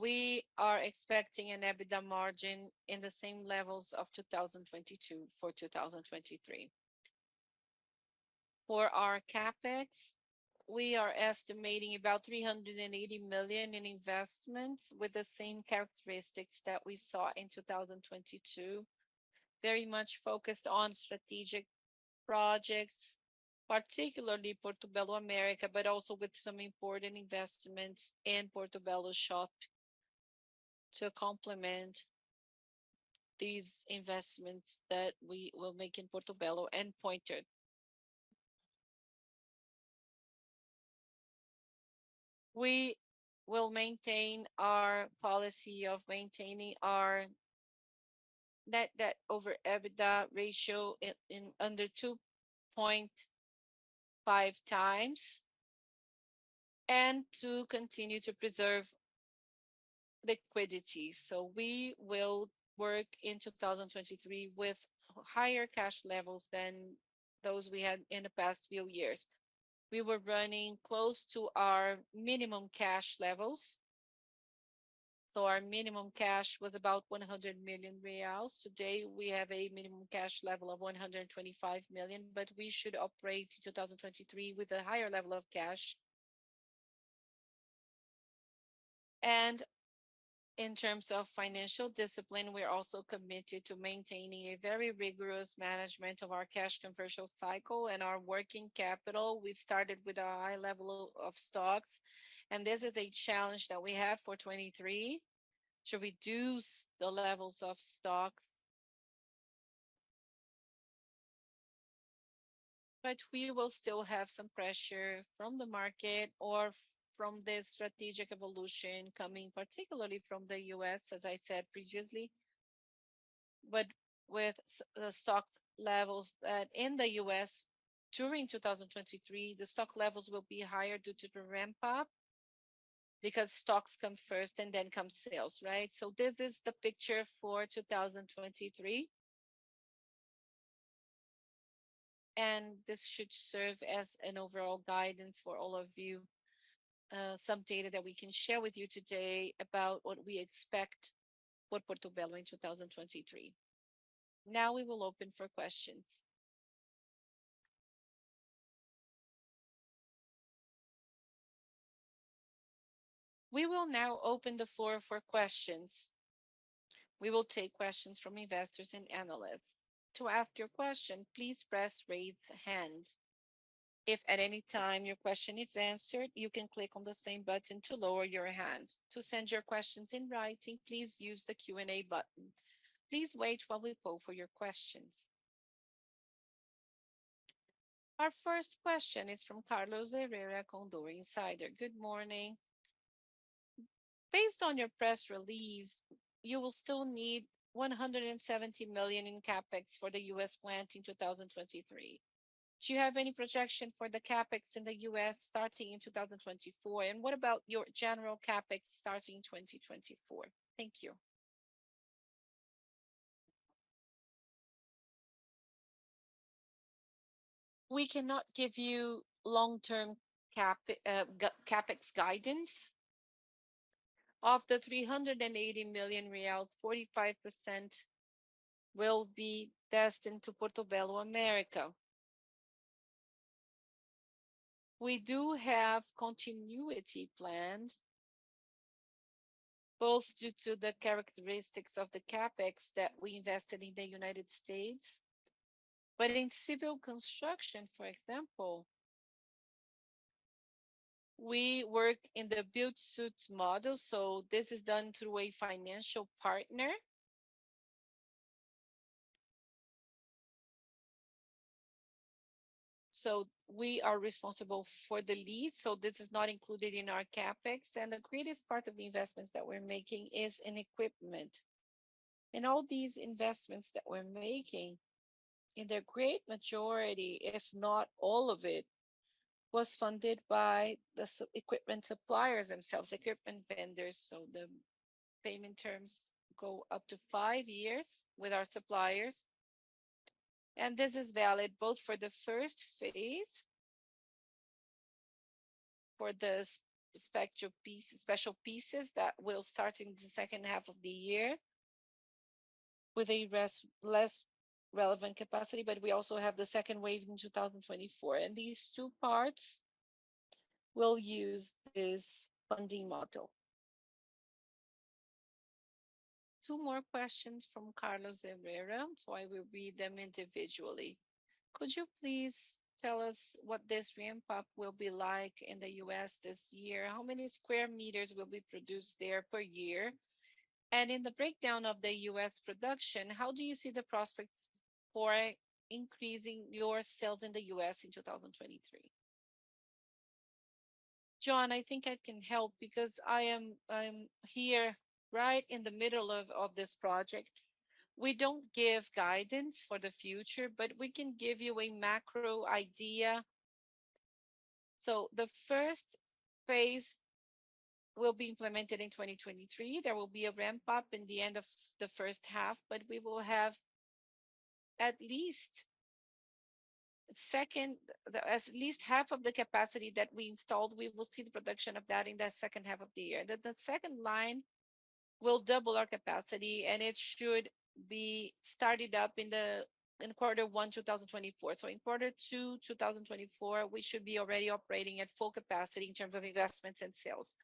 We are expecting an EBITDA margin in the same levels of 2022 for 2023. For our CapEx, we are estimating about 380 million in investments with the same characteristics that we saw in 2022, very much focused on strategic projects, particularly Portobello America, but also with some important investments in Portobello Shop. To complement these investments that we will make in Portobello and Pointer, we will maintain our policy of maintaining our net debt over EBITDA ratio under 2.5x, and to continue to preserve liquidity. We will work in 2023 with higher cash levels than those we had in the past few years. We were running close to our minimum cash levels. Our minimum cash was about 100 million reais. Today, we have a minimum cash level of 125 million, but we should operate in 2023 with a higher level of cash. In terms of financial discipline, we are also committed to maintaining a very rigorous management of our cash conversion cycle and our working capital. We started with a high level of stocks, and this is a challenge that we have for 2023 to reduce the levels of stocks. We will still have some pressure from the market or from the strategic evolution coming particularly from the U.S., as I said previously. With the stock levels in the U.S. during 2023, the stock levels will be higher due to the ramp up because stocks come first and then come sales, right? This is the picture for 2023. This should serve as an overall guidance for all of you. Some data that we can share with you today about what we expect for Portobello in 2023. Now we will open for questions. We will now open the floor for questions. We will take questions from investors and analysts. To ask your question, please press raise hand. If at any time your question is answered, you can click on the same button to lower your hand. To send your questions in writing, please use the Q&A button. Please wait while we poll for your questions. Our first question is from Carlos Herrera, Condor Insider. Good morning. Based on your press release, you will still need 170 million in CapEx for the U.S. plant in 2023. Do you have any projection for the CapEx in the U.S. starting in 2024? What about your general CapEx starting 2024?Thank you. We cannot give you long-term CapEx guidance. Of the BRL 380 million, 45% will be destined to Portobello America. We do have continuity planned, both due to the characteristics of the CapEx that we invested in the United States. In civil construction, for example, we work in the build-to-suit model, so this is done through a financial partner. We are responsible for the lead, so this is not included in our CapEx. The greatest part of the investments that we're making is in equipment. All these investments that we're making, in their great majority, if not all of it, was funded by the equipment suppliers themselves, equipment vendors. The payment terms go up to five years with our suppliers. This is valid both for the first phase, for the special pieces that will start in the second half of the year with a less relevant capacity, but we also have the second wave in 2024. These two parts will use this funding model. Two more questions from Carlos Herrera, so I will read them individually. Could you please tell us what this ramp up will be like in the U.S. this year? How many square meters will be produced there per year? In the breakdown of the U.S. production, how do you see the prospects for increasing your sales in the U.S. in 2023? John, I think I can help because I am here right in the middle of this project. We don't give guidance for the future, but we can give you a macro idea. The phase I will be implemented in 2023. There will be a ramp-up in the end of the first half, but we will have At least half of the capacity that we installed, we will see the production of that in the second half of the year. The second line will double our capacity, and it should be started up in quarter one 2024. In quarter two 2024, we should be already operating at full capacity in terms of investments and sales.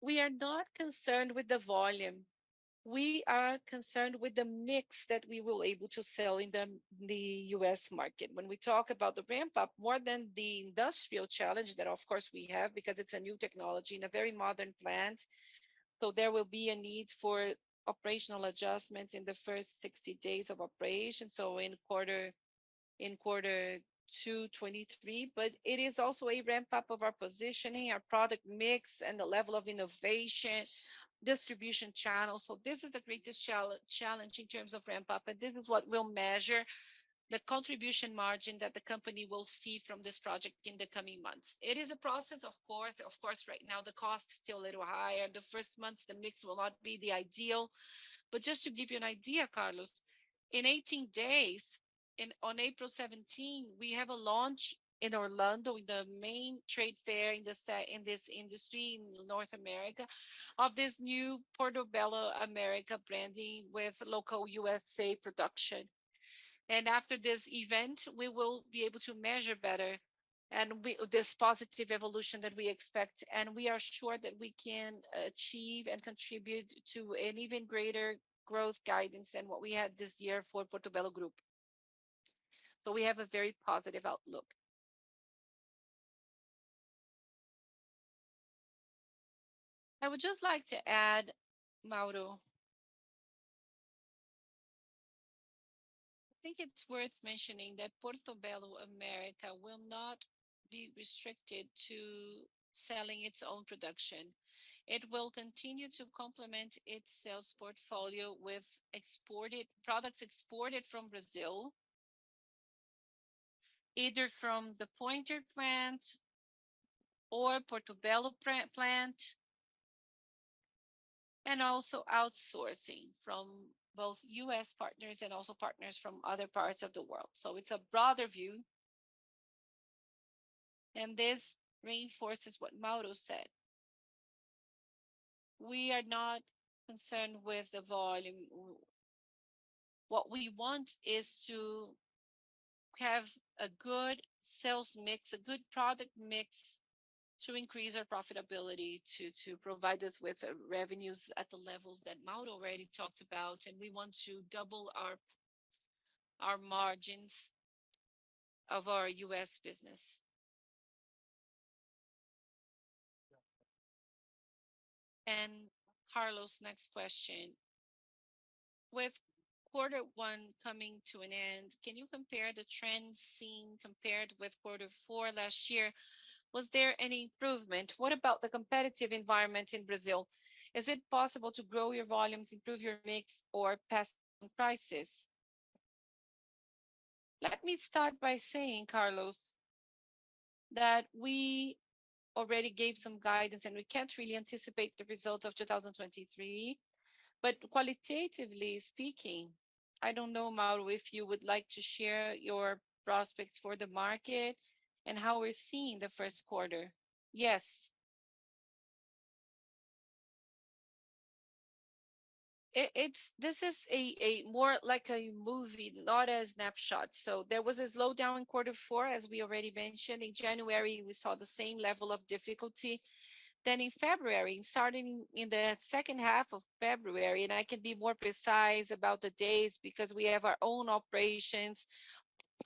We are not concerned with the volume. We are concerned with the mix that we will able to sell in the U.S. market. When we talk about the ramp up, more than the industrial challenge that of course we have because it's a new technology and a very modern plant, there will be a need for operational adjustments in the first 60 days of operation, in quarter two 2023. It is also a ramp up of our positioning, our product mix, and the level of innovation, distribution channels. This is the greatest challenge in terms of ramp up, and this is what will measure the contribution margin that the company will see from this project in the coming months. It is a process, of course. Of course, right now the cost is still a little higher. The first months the mix will not be the ideal. Just to give you an idea, Carlos, in 18 days, on April 17, we have a launch in Orlando, the main trade fair in this industry in North America, of this new Portobello America branding with local USA production. After this event, we will be able to measure better this positive evolution that we expect. We are sure that we can achieve and contribute to an even greater growth guidance than what we had this year for Portobello Group. We have a very positive outlook. I would just like to add, Mauro. I think it's worth mentioning that Portobello America will not be restricted to selling its own production. It will continue to complement its sales portfolio with products exported from Brazil, either from the Pointer plant or Portobello plant, and also outsourcing from both U.S. partners and also partners from other parts of the world. It's a broader view. This reinforces what Mauro said. We are not concerned with the volume. What we want is to have a good sales mix, a good product mix to increase our profitability to provide us with revenues at the levels that Mauro already talked about, and we want to double our margins of our U.S. business. Carlos, next question. With quarter one coming to an end, can you compare the trends seen compared with quarter four last year? Was there any improvement? What about the competitive environment in Brazil? Is it possible to grow your volumes, improve your mix or pass on prices? Let me start by saying, Carlos, that we already gave some guidance, and we can't really anticipate the results of 2023. Qualitatively speaking, I don't know, Mauro, if you would like to share your prospects for the market and how we're seeing the first quarter. Yes. This is a more like a movie, not a snapshot. There was a slowdown in quarter four, as we already mentioned. In January, we saw the same level of difficulty. In February, starting in the second half of February, and I can be more precise about the days because we have our own operations,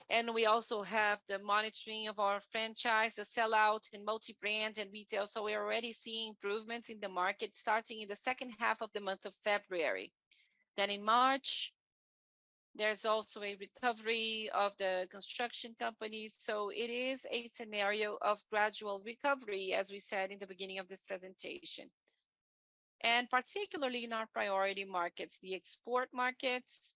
and we also have the monitoring of our franchise, the sell-out in multi-brand and retail. We're already seeing improvements in the market starting in the second half of the month of February. In March, there's also a recovery of the construction companies. It is a scenario of gradual recovery, as we said in the beginning of this presentation. Particularly in our priority markets, the export markets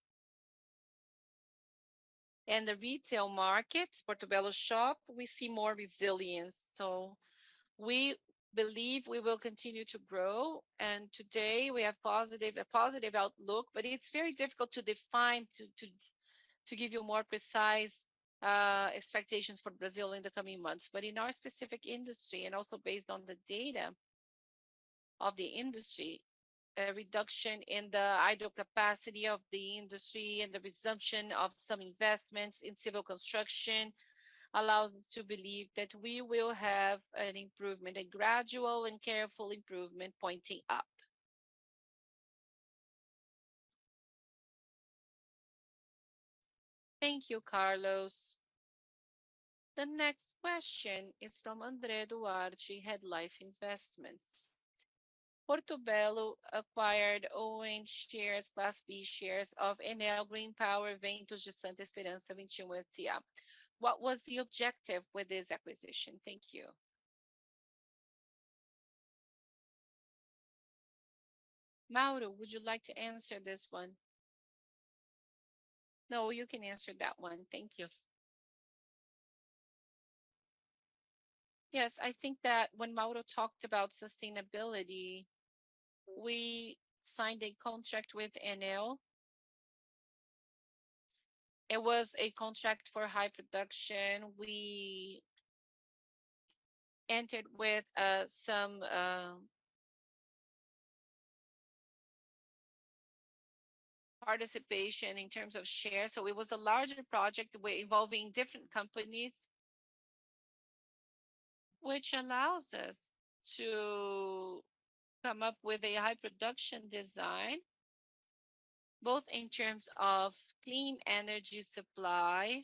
and the retail markets, Portobello Shop, we see more resilience. We believe we will continue to grow, and today we have a positive outlook, but it's very difficult to define, to give you more precise expectations for Brazil in the coming months. In our specific industry, and also based on the data of the industry, a reduction in the idle capacity of the industry and the resumption of some investments in civil construction allows me to believe that we will have an improvement, a gradual and careful improvement pointing up. Thank you, Carlos. The next question is from André Duarte, Hedgefy Investimentos. Portobello acquired owning shares, Class B shares of Enel Green Power, what was the objective with this acquisition, thank you. I think that when Mauro talked about sustainability, we signed a contract with Enel. It was a contract for high production. We entered with some participation in terms of share. It was a larger project. We're involving different companies, which allows us to come up with a high production design, both in terms of clean energy supply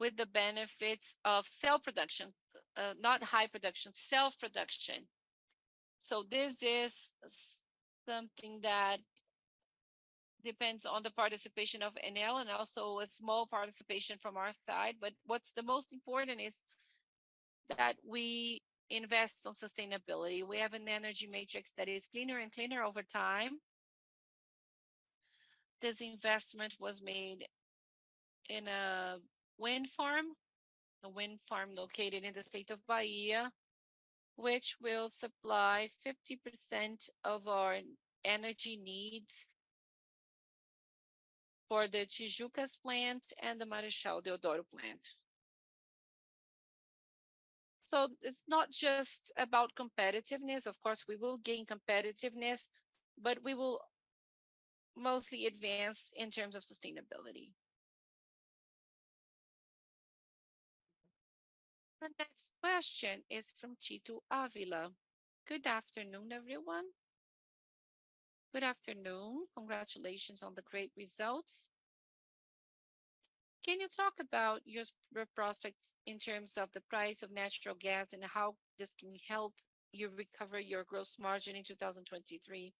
with the benefits of self-production. Not high production, self-production. This is something that depends on the participation of Enel and also a small participation from our side. What's the most important is that we invest on sustainability. We have an energy matrix that is cleaner and cleaner over time. This investment was made in a wind farm, a wind farm located in the state of Bahia, which will supply 50% of our energy needs for the Tijucas plant and the Marechal Deodoro plant. It's not just about competitiveness. Of course, we will gain competitiveness, but we will mostly advance in terms of sustainability. The next question is from Tito Avila. Good afternoon, everyone. Good afternoon. Congratulations on the great results. Can you talk about your prospects in terms of the price of natural gas and how this can help you recover your gross margin in 2023?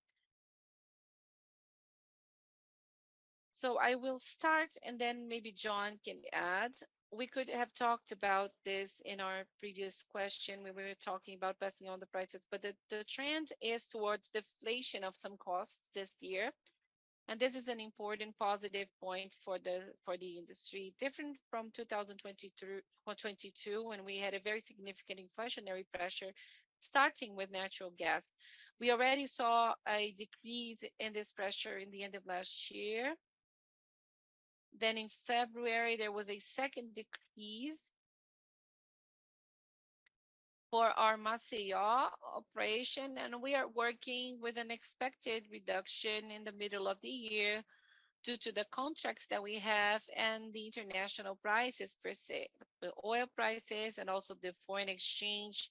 I will start, and then maybe John can add. We could have talked about this in our previous question when we were talking about passing on the prices, the trend is towards deflation of some costs this year, and this is an important positive point for the industry. Different from 2022, when we had a very significant inflationary pressure, starting with natural gas. We already saw a decrease in this pressure in the end of last year. In February, there was a second decrease for our Maceió operation, and we are working with an expected reduction in the middle of the year due to the contracts that we have and the international prices per se, the oil prices and also the foreign exchange.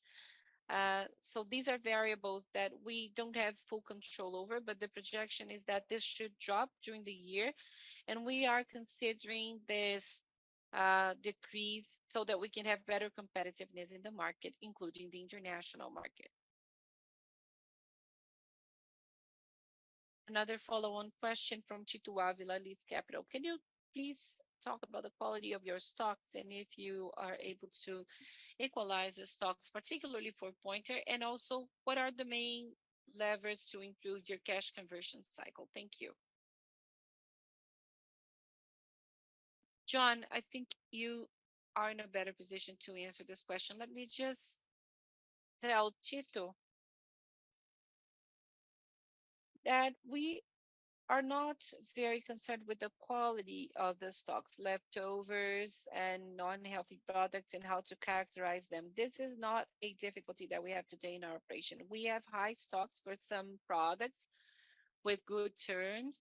These are variables that we don't have full control over, but the projection is that this should drop during the year, and we are considering this decrease so that we can have better competitiveness in the market, including the international market. Another follow-on question from Tito Avila, Liz Capital. Can you please talk about the quality of your stocks and if you are able to equalize the stocks, particularly for Pointer? Also, what are the main levers to improve your cash conversion cycle? Thank you. John, I think you are in a better position to answer this question. Let me just tell Tito that we are not very concerned with the quality of the stocks, leftovers, and non-healthy products and how to characterize them. This is not a difficulty that we have today in our operation. We have high stocks for some products with good turns,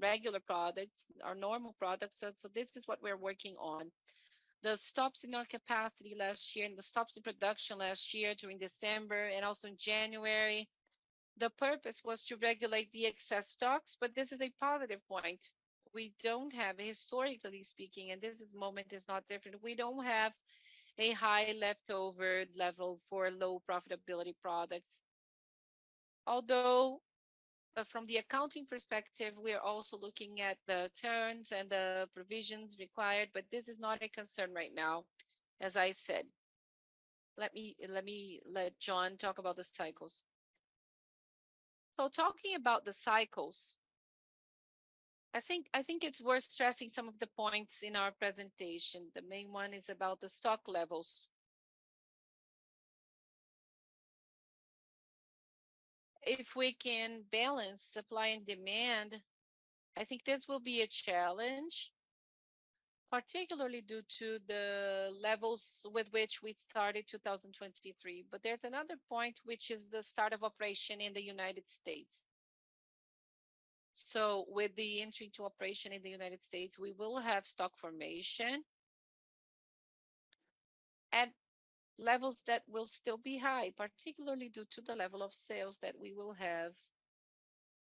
regular products or normal products. This is what we're working on. The stops in our capacity last year and the stops in production last year during December and also in January, the purpose was to regulate the excess stocks, but this is a positive point. We don't have, historically speaking, and this moment is not different, we don't have a high leftover level for low profitability products. Although from the accounting perspective, we are also looking at the turns and the provisions required, but this is not a concern right now, as I said. Let me let John talk about the cycles. Talking about the cycles, I think it's worth stressing some of the points in our presentation. The main one is about the stock levels. If we can balance supply and demand, I think this will be a challenge, particularly due to the levels with which we started 2023. There's another point, which is the start of operation in the United States. With the entry to operation in the United States, we will have stock formation at levels that will still be high, particularly due to the level of sales that we will have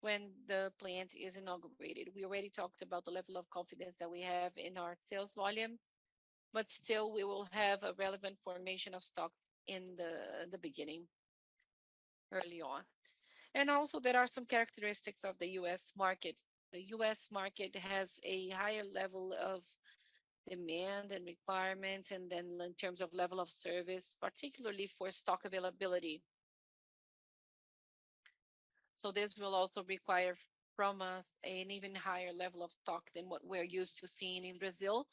when the plant is inaugurated. We already talked about the level of confidence that we have in our sales volume, but still we will have a relevant formation of stock in the beginning, early on. Also there are some characteristics of the U.S. market. The U.S. market has a higher level of demand and requirements, and then in terms of level of service, particularly for stock availability. This will also require from us an even higher level of stock than what we're used to seeing in Brazil,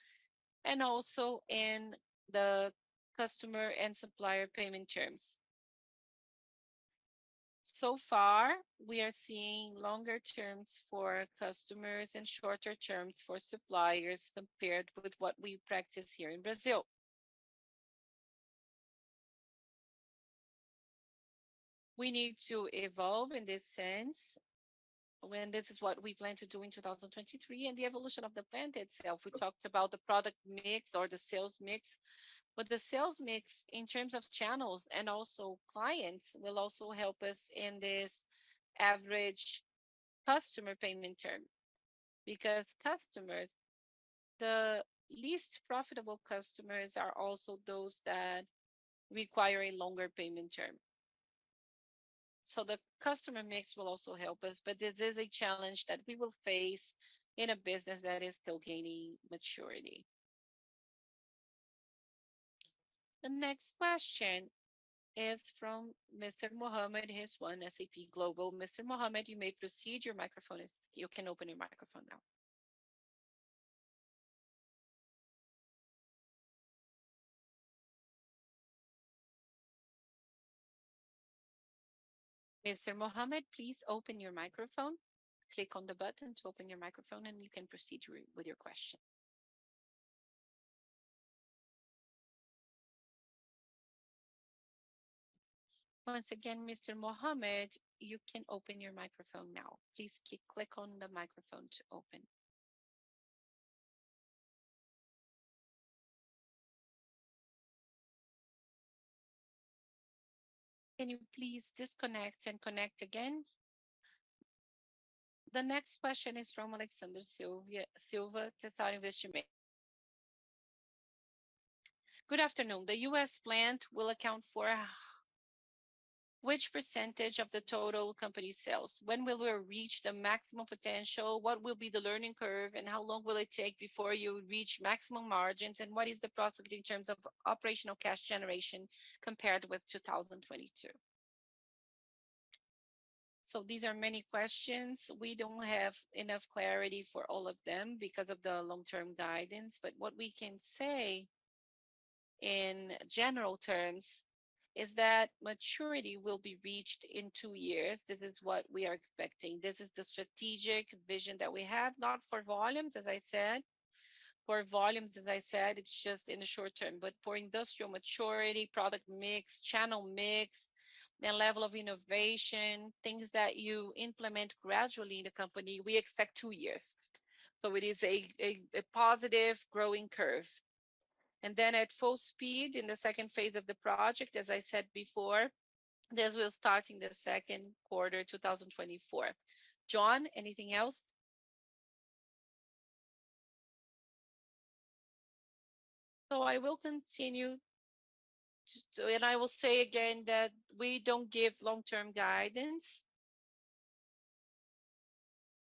and also in the customer and supplier payment terms. Far, we are seeing longer terms for customers and shorter terms for suppliers compared with what we practice here in Brazil. We need to evolve in this sense when this is what we plan to do in 2023, and the evolution of the plant itself. We talked about the product mix or the sales mix. The sales mix in terms of channels and also clients will also help us in this average customer payment term. Customers. The least profitable customers are also those that require a longer payment term. The customer mix will also help us, but this is a challenge that we will face in a business that is still gaining maturity. The next question is from Mr. Mohamed Hisyam, S&P Global. Mr. Mohammed, you may proceed. Your microphone is. You can open your microphone now. Mr. Mohammed, please open your microphone. Click on the button to open your microphone, and you can proceed with your question. Once again, Mr. Mohammed, you can open your microphone now. Please click on the microphone to open. Can you please disconnect and connect again? The next question is from Alexander Silva, Tesouro Investimentos. Good afternoon. The U.S. plant will account for which percentage of the total company sales? When will we reach the maximum potential? What will be the learning curve, and how long will it take before you reach maximum margins? What is the prospect in terms of operational cash generation compared with 2022? These are many questions. We don't have enough clarity for all of them because of the long-term guidance. What we can say in general terms is that maturity will be reached in two years. This is what we are expecting. This is the strategic vision that we have, not for volumes, as I said. For volumes, as I said, it's just in the short term. For industrial maturity, product mix, channel mix, the level of innovation, things that you implement gradually in a company, we expect two years. It is a positive growing curve. At full speed in the phase II of the project, as I said before, this will start in the second quarter 2024. John, anything else? I will continue to. I will say again that we don't give long-term guidance.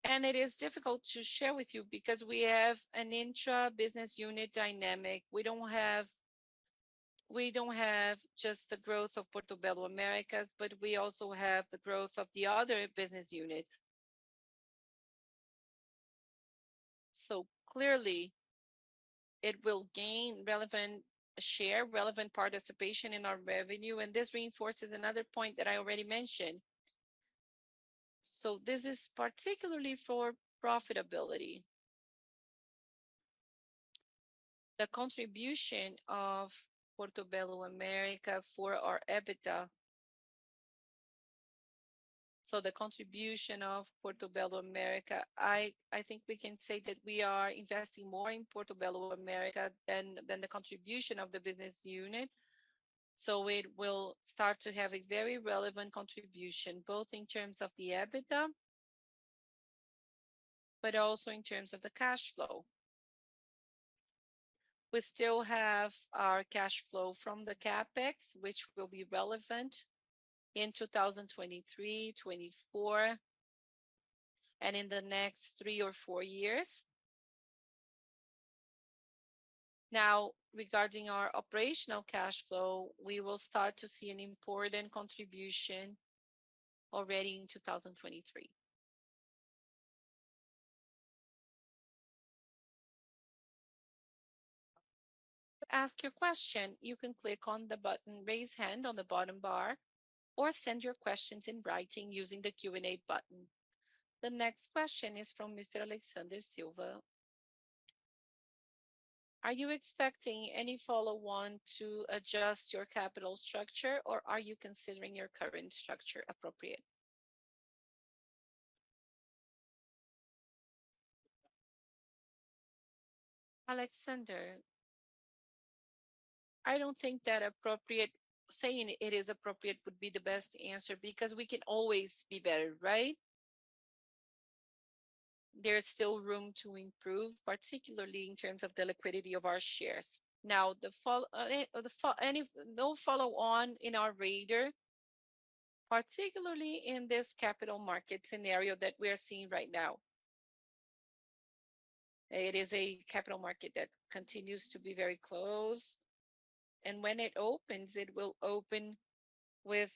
It is difficult to share with you because we have an intra-business unit dynamic. We don't have just the growth of Portobello America, but we also have the growth of the other business unit. Clearly, it will gain relevant share, relevant participation in our revenue, and this reinforces another point that I already mentioned. This is particularly for profitability. The contribution of Portobello America for our EBITDA. The contribution of Portobello America, I think we can say that we are investing more in Portobello America than the contribution of the business unit. It will start to have a very relevant contribution, both in terms of the EBITDA, but also in terms of the cash flow. We still have our cash flow from the CapEx, which will be relevant in 2023, 2024, and in the next three or four years. Regarding our operational cash flow, we will start to see an important contribution already in 2023. To ask your question, you can click on the button Raise Hand on the bottom bar or send your questions in writing using the Q&A button. The next question is from Mr. Alexander Silva. Are you expecting any follow-on to adjust your capital structure, or are you considering your current structure appropriate? Alexander, I don't think that saying it is appropriate would be the best answer because we can always be better, right? There's still room to improve, particularly in terms of the liquidity of our shares. The follow... No follow-on in our radar, particularly in this capital market scenario that we are seeing right now. It is a capital market that continues to be very close, and when it opens, it will open with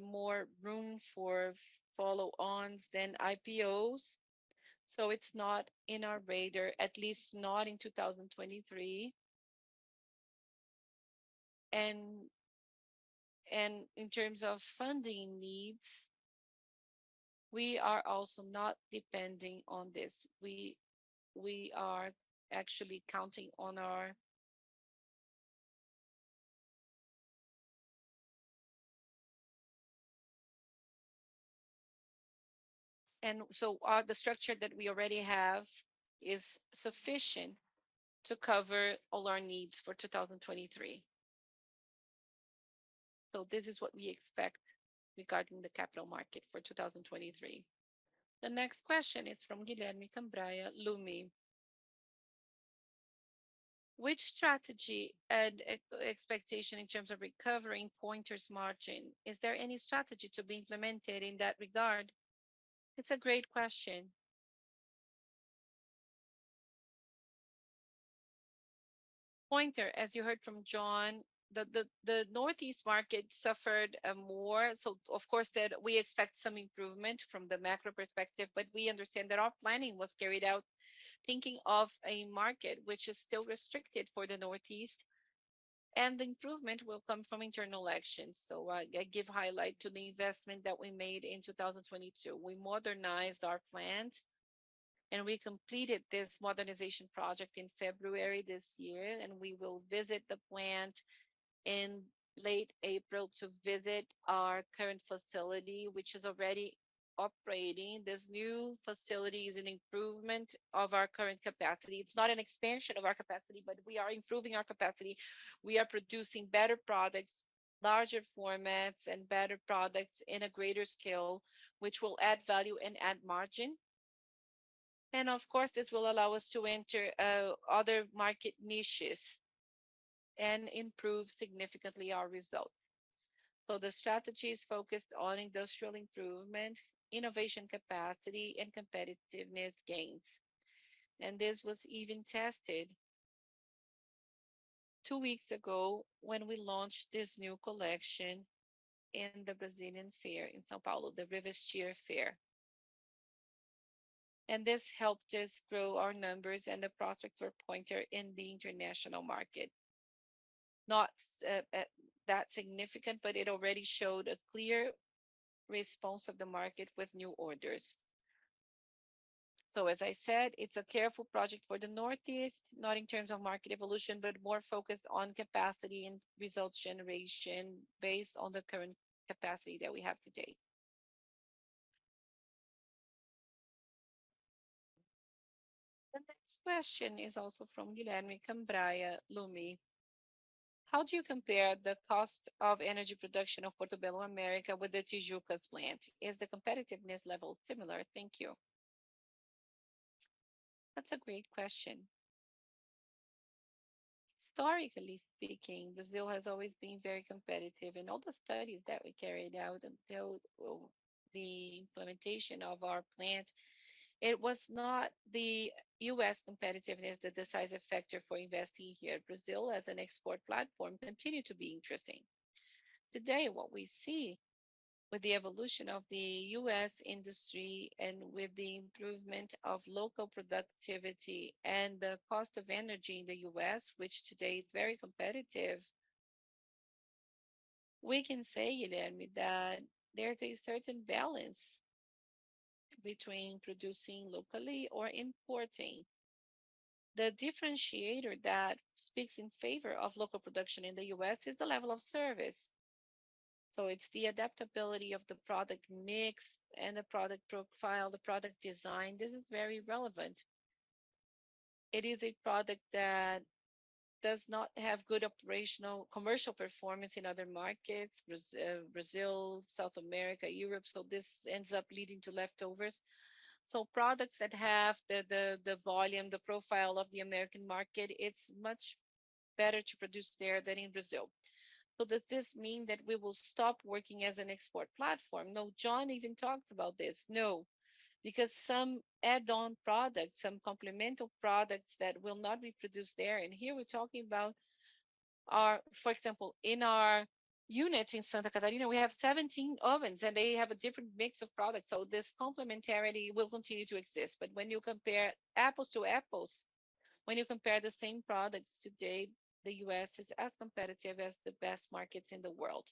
more room for follow-ons than IPOs. It's not in our radar, at least not in 2023. In terms of funding needs, we are also not depending on this. We are actually counting on our. The structure that we already have is sufficient to cover all our needs for 2023. This is what we expect regarding the capital market for 2023. The next question is from Guilherme Cambraia, Lumi. Which strategy and e-expectation in terms of recovering Pointer's margin? Is there any strategy to be implemented in that regard? It's a great question. Pointer, as you heard from John, the Northeast market suffered more. Of course that we expect some improvement from the macro perspective, but we understand that our planning was carried out thinking of a market which is still restricted for the Northeast, and the improvement will come from internal actions. I give highlight to the investment that we made in 2022. We modernized our plant, and we completed this modernization project in February this year, and we will visit the plant in late April to visit our current facility, which is already operating. This new facility is an improvement of our current capacity. It's not an expansion of our capacity, but we are improving our capacity. We are producing better products, larger formats, and better products in a greater scale, which will add value and add margin. Of course, this will allow us to enter other market niches and improve significantly our results. The strategy is focused on industrial improvement, innovation capacity, and competitiveness gains. This was even tested two weeks ago when we launched this new collection in the Brazilian fair in São Paulo, the Expo Revestir. This helped us grow our numbers and the prospects for Pointer in the international market. Not that significant, but it already showed a clear response of the market with new orders. As I said, it's a careful project for the Northeast, not in terms of market evolution, but more focused on capacity and results generation based on the current capacity that we have today. The next question is also from Guilherme Cambraia, Lumi. How do you compare the cost of energy production of Portobello America with the Tijucas plant? Is the competitiveness level similar? Thank you. That's a great question. Historically speaking, Brazil has always been very competitive, and all the studies that we carried out until, well, the implementation of our plant, it was not the U.S. competitiveness that the size effector for investing here Brazil as an export platform continued to be interesting. Today, what we see with the evolution of the U.S. industry and with the improvement of local productivity and the cost of energy in the U.S., which today is very competitive, we can say, Guilherme, that there is a certain balance between producing locally or importing. The differentiator that speaks in favor of local production in the U.S. is the level of service. It's the adaptability of the product mix and the product profile, the product design. This is very relevant. It is a product that does not have good operational commercial performance in other markets, Brazil, South America, Europe. This ends up leading to leftovers. Products that have the volume, the profile of the American market, it's much better to produce there than in Brazil. Does this mean that we will stop working as an export platform? No. John even talked about this. No, because some add-on products, some complementary products that will not be produced there, and here we're talking about our. For example, in our unit in Santa Catarina, we have 17 ovens, and they have a different mix of products. This complementarity will continue to exist. When you compare apples to apples, when you compare the same products today, the U.S. is as competitive as the best markets in the world.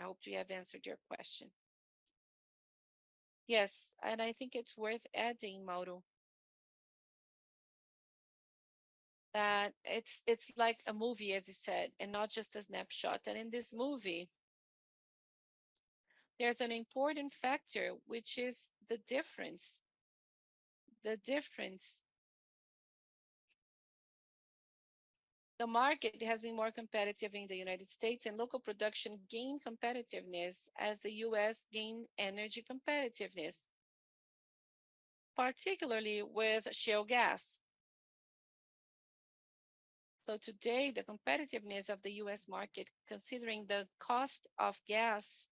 I hope to have answered your question. Yes, and I think it's worth adding, Mauro, that it's like a movie, as you said, and not just a snapshot. In this movie, there's an important factor, which is the difference. The market has been more competitive in the United States, and local production gained competitiveness as the U.S. gained energy competitiveness, particularly with shale gas. Today, the competitiveness of the U.S. market, considering the cost of gas,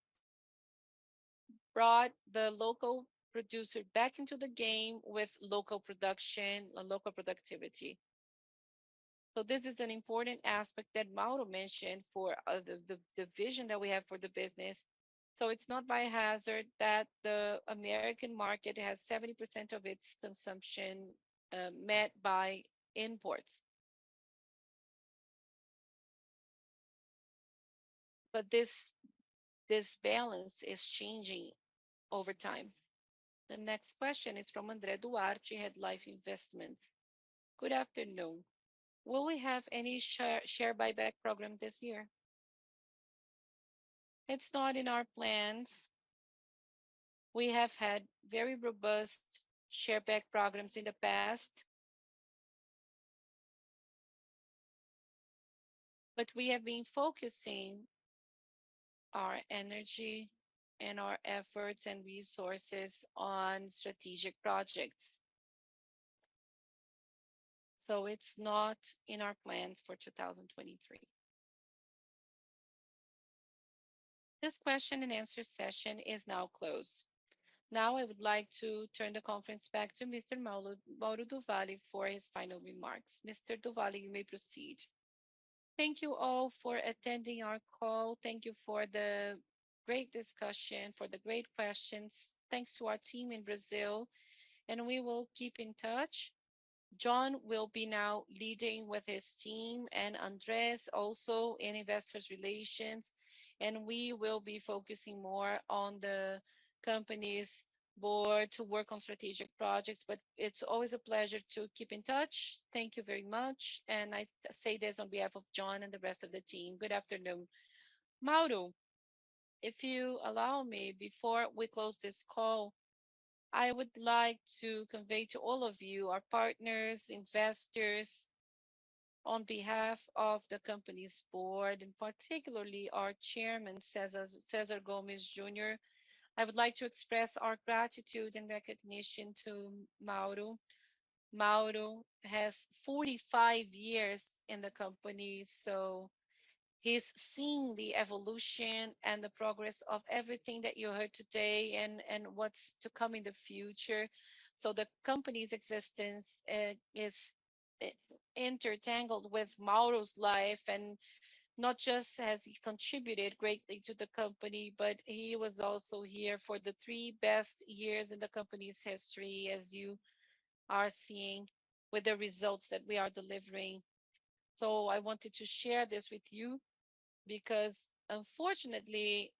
brought the local producer back into the game with local production and local productivity. This is an important aspect that Mauro mentioned for the vision that we have for the business. It's not by hazard that the American market has 70% of its consumption met by imports. This balance is changing over time. The next question is from André Duarte, Hedgefy Investments. Good afternoon. Will we have any share buyback program this year? It's not in our plans. We have had very robust share buyback programs in the past. We have been focusing our energy and our efforts and resources on strategic projects. It's not in our plans for 2023. This question and answer session is now closed. I would like to turn the conference back to Mr. Mauro do Valle for his final remarks. Mr. do Valle, you may proceed. Thank you all for attending our call. Thank you for the great discussion, for the great questions. Thanks to our team in Brazil. We will keep in touch. John will be now leading with his team and Andrés also in investors relations. We will be focusing more on the company's board to work on strategic projects. It's always a pleasure to keep in touch. Thank you very much. I say this on behalf of John and the rest of the team. Good afternoon. Mauro, if you allow me, before we close this call, I would like to convey to all of you, our partners, investors, on behalf of the company's board, and particularly our Chairman, Cesar Gomes Jr., I would like to express our gratitude and recognition to Mauro. Mauro has 45 years in the company, so he's seen the evolution and the progress of everything that you heard today and what's to come in the future. The company's existence is intertangled with Mauro's life, and not just has he contributed greatly to the company, but he was also here for the three best years in the company's history, as you are seeing with the results that we are delivering. I wanted to share this with you because unfortunately,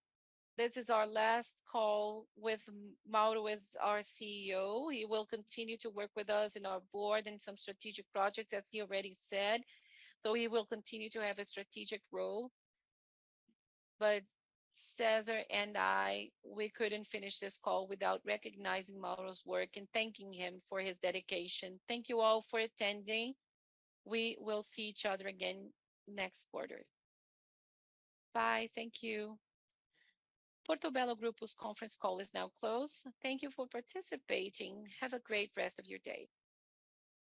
this is our last call with Mauro as our CEO. He will continue to work with us in our board and some strategic projects, as he already said, so he will continue to have a strategic role. Cesar and I, we couldn't finish this call without recognizing Mauro's work and thanking him for his dedication. Thank you all for attending. We will see each other again next quarter. Bye. Thank you. Portobello Group's conference call is now closed. Thank you for participating. Have a great rest of your day.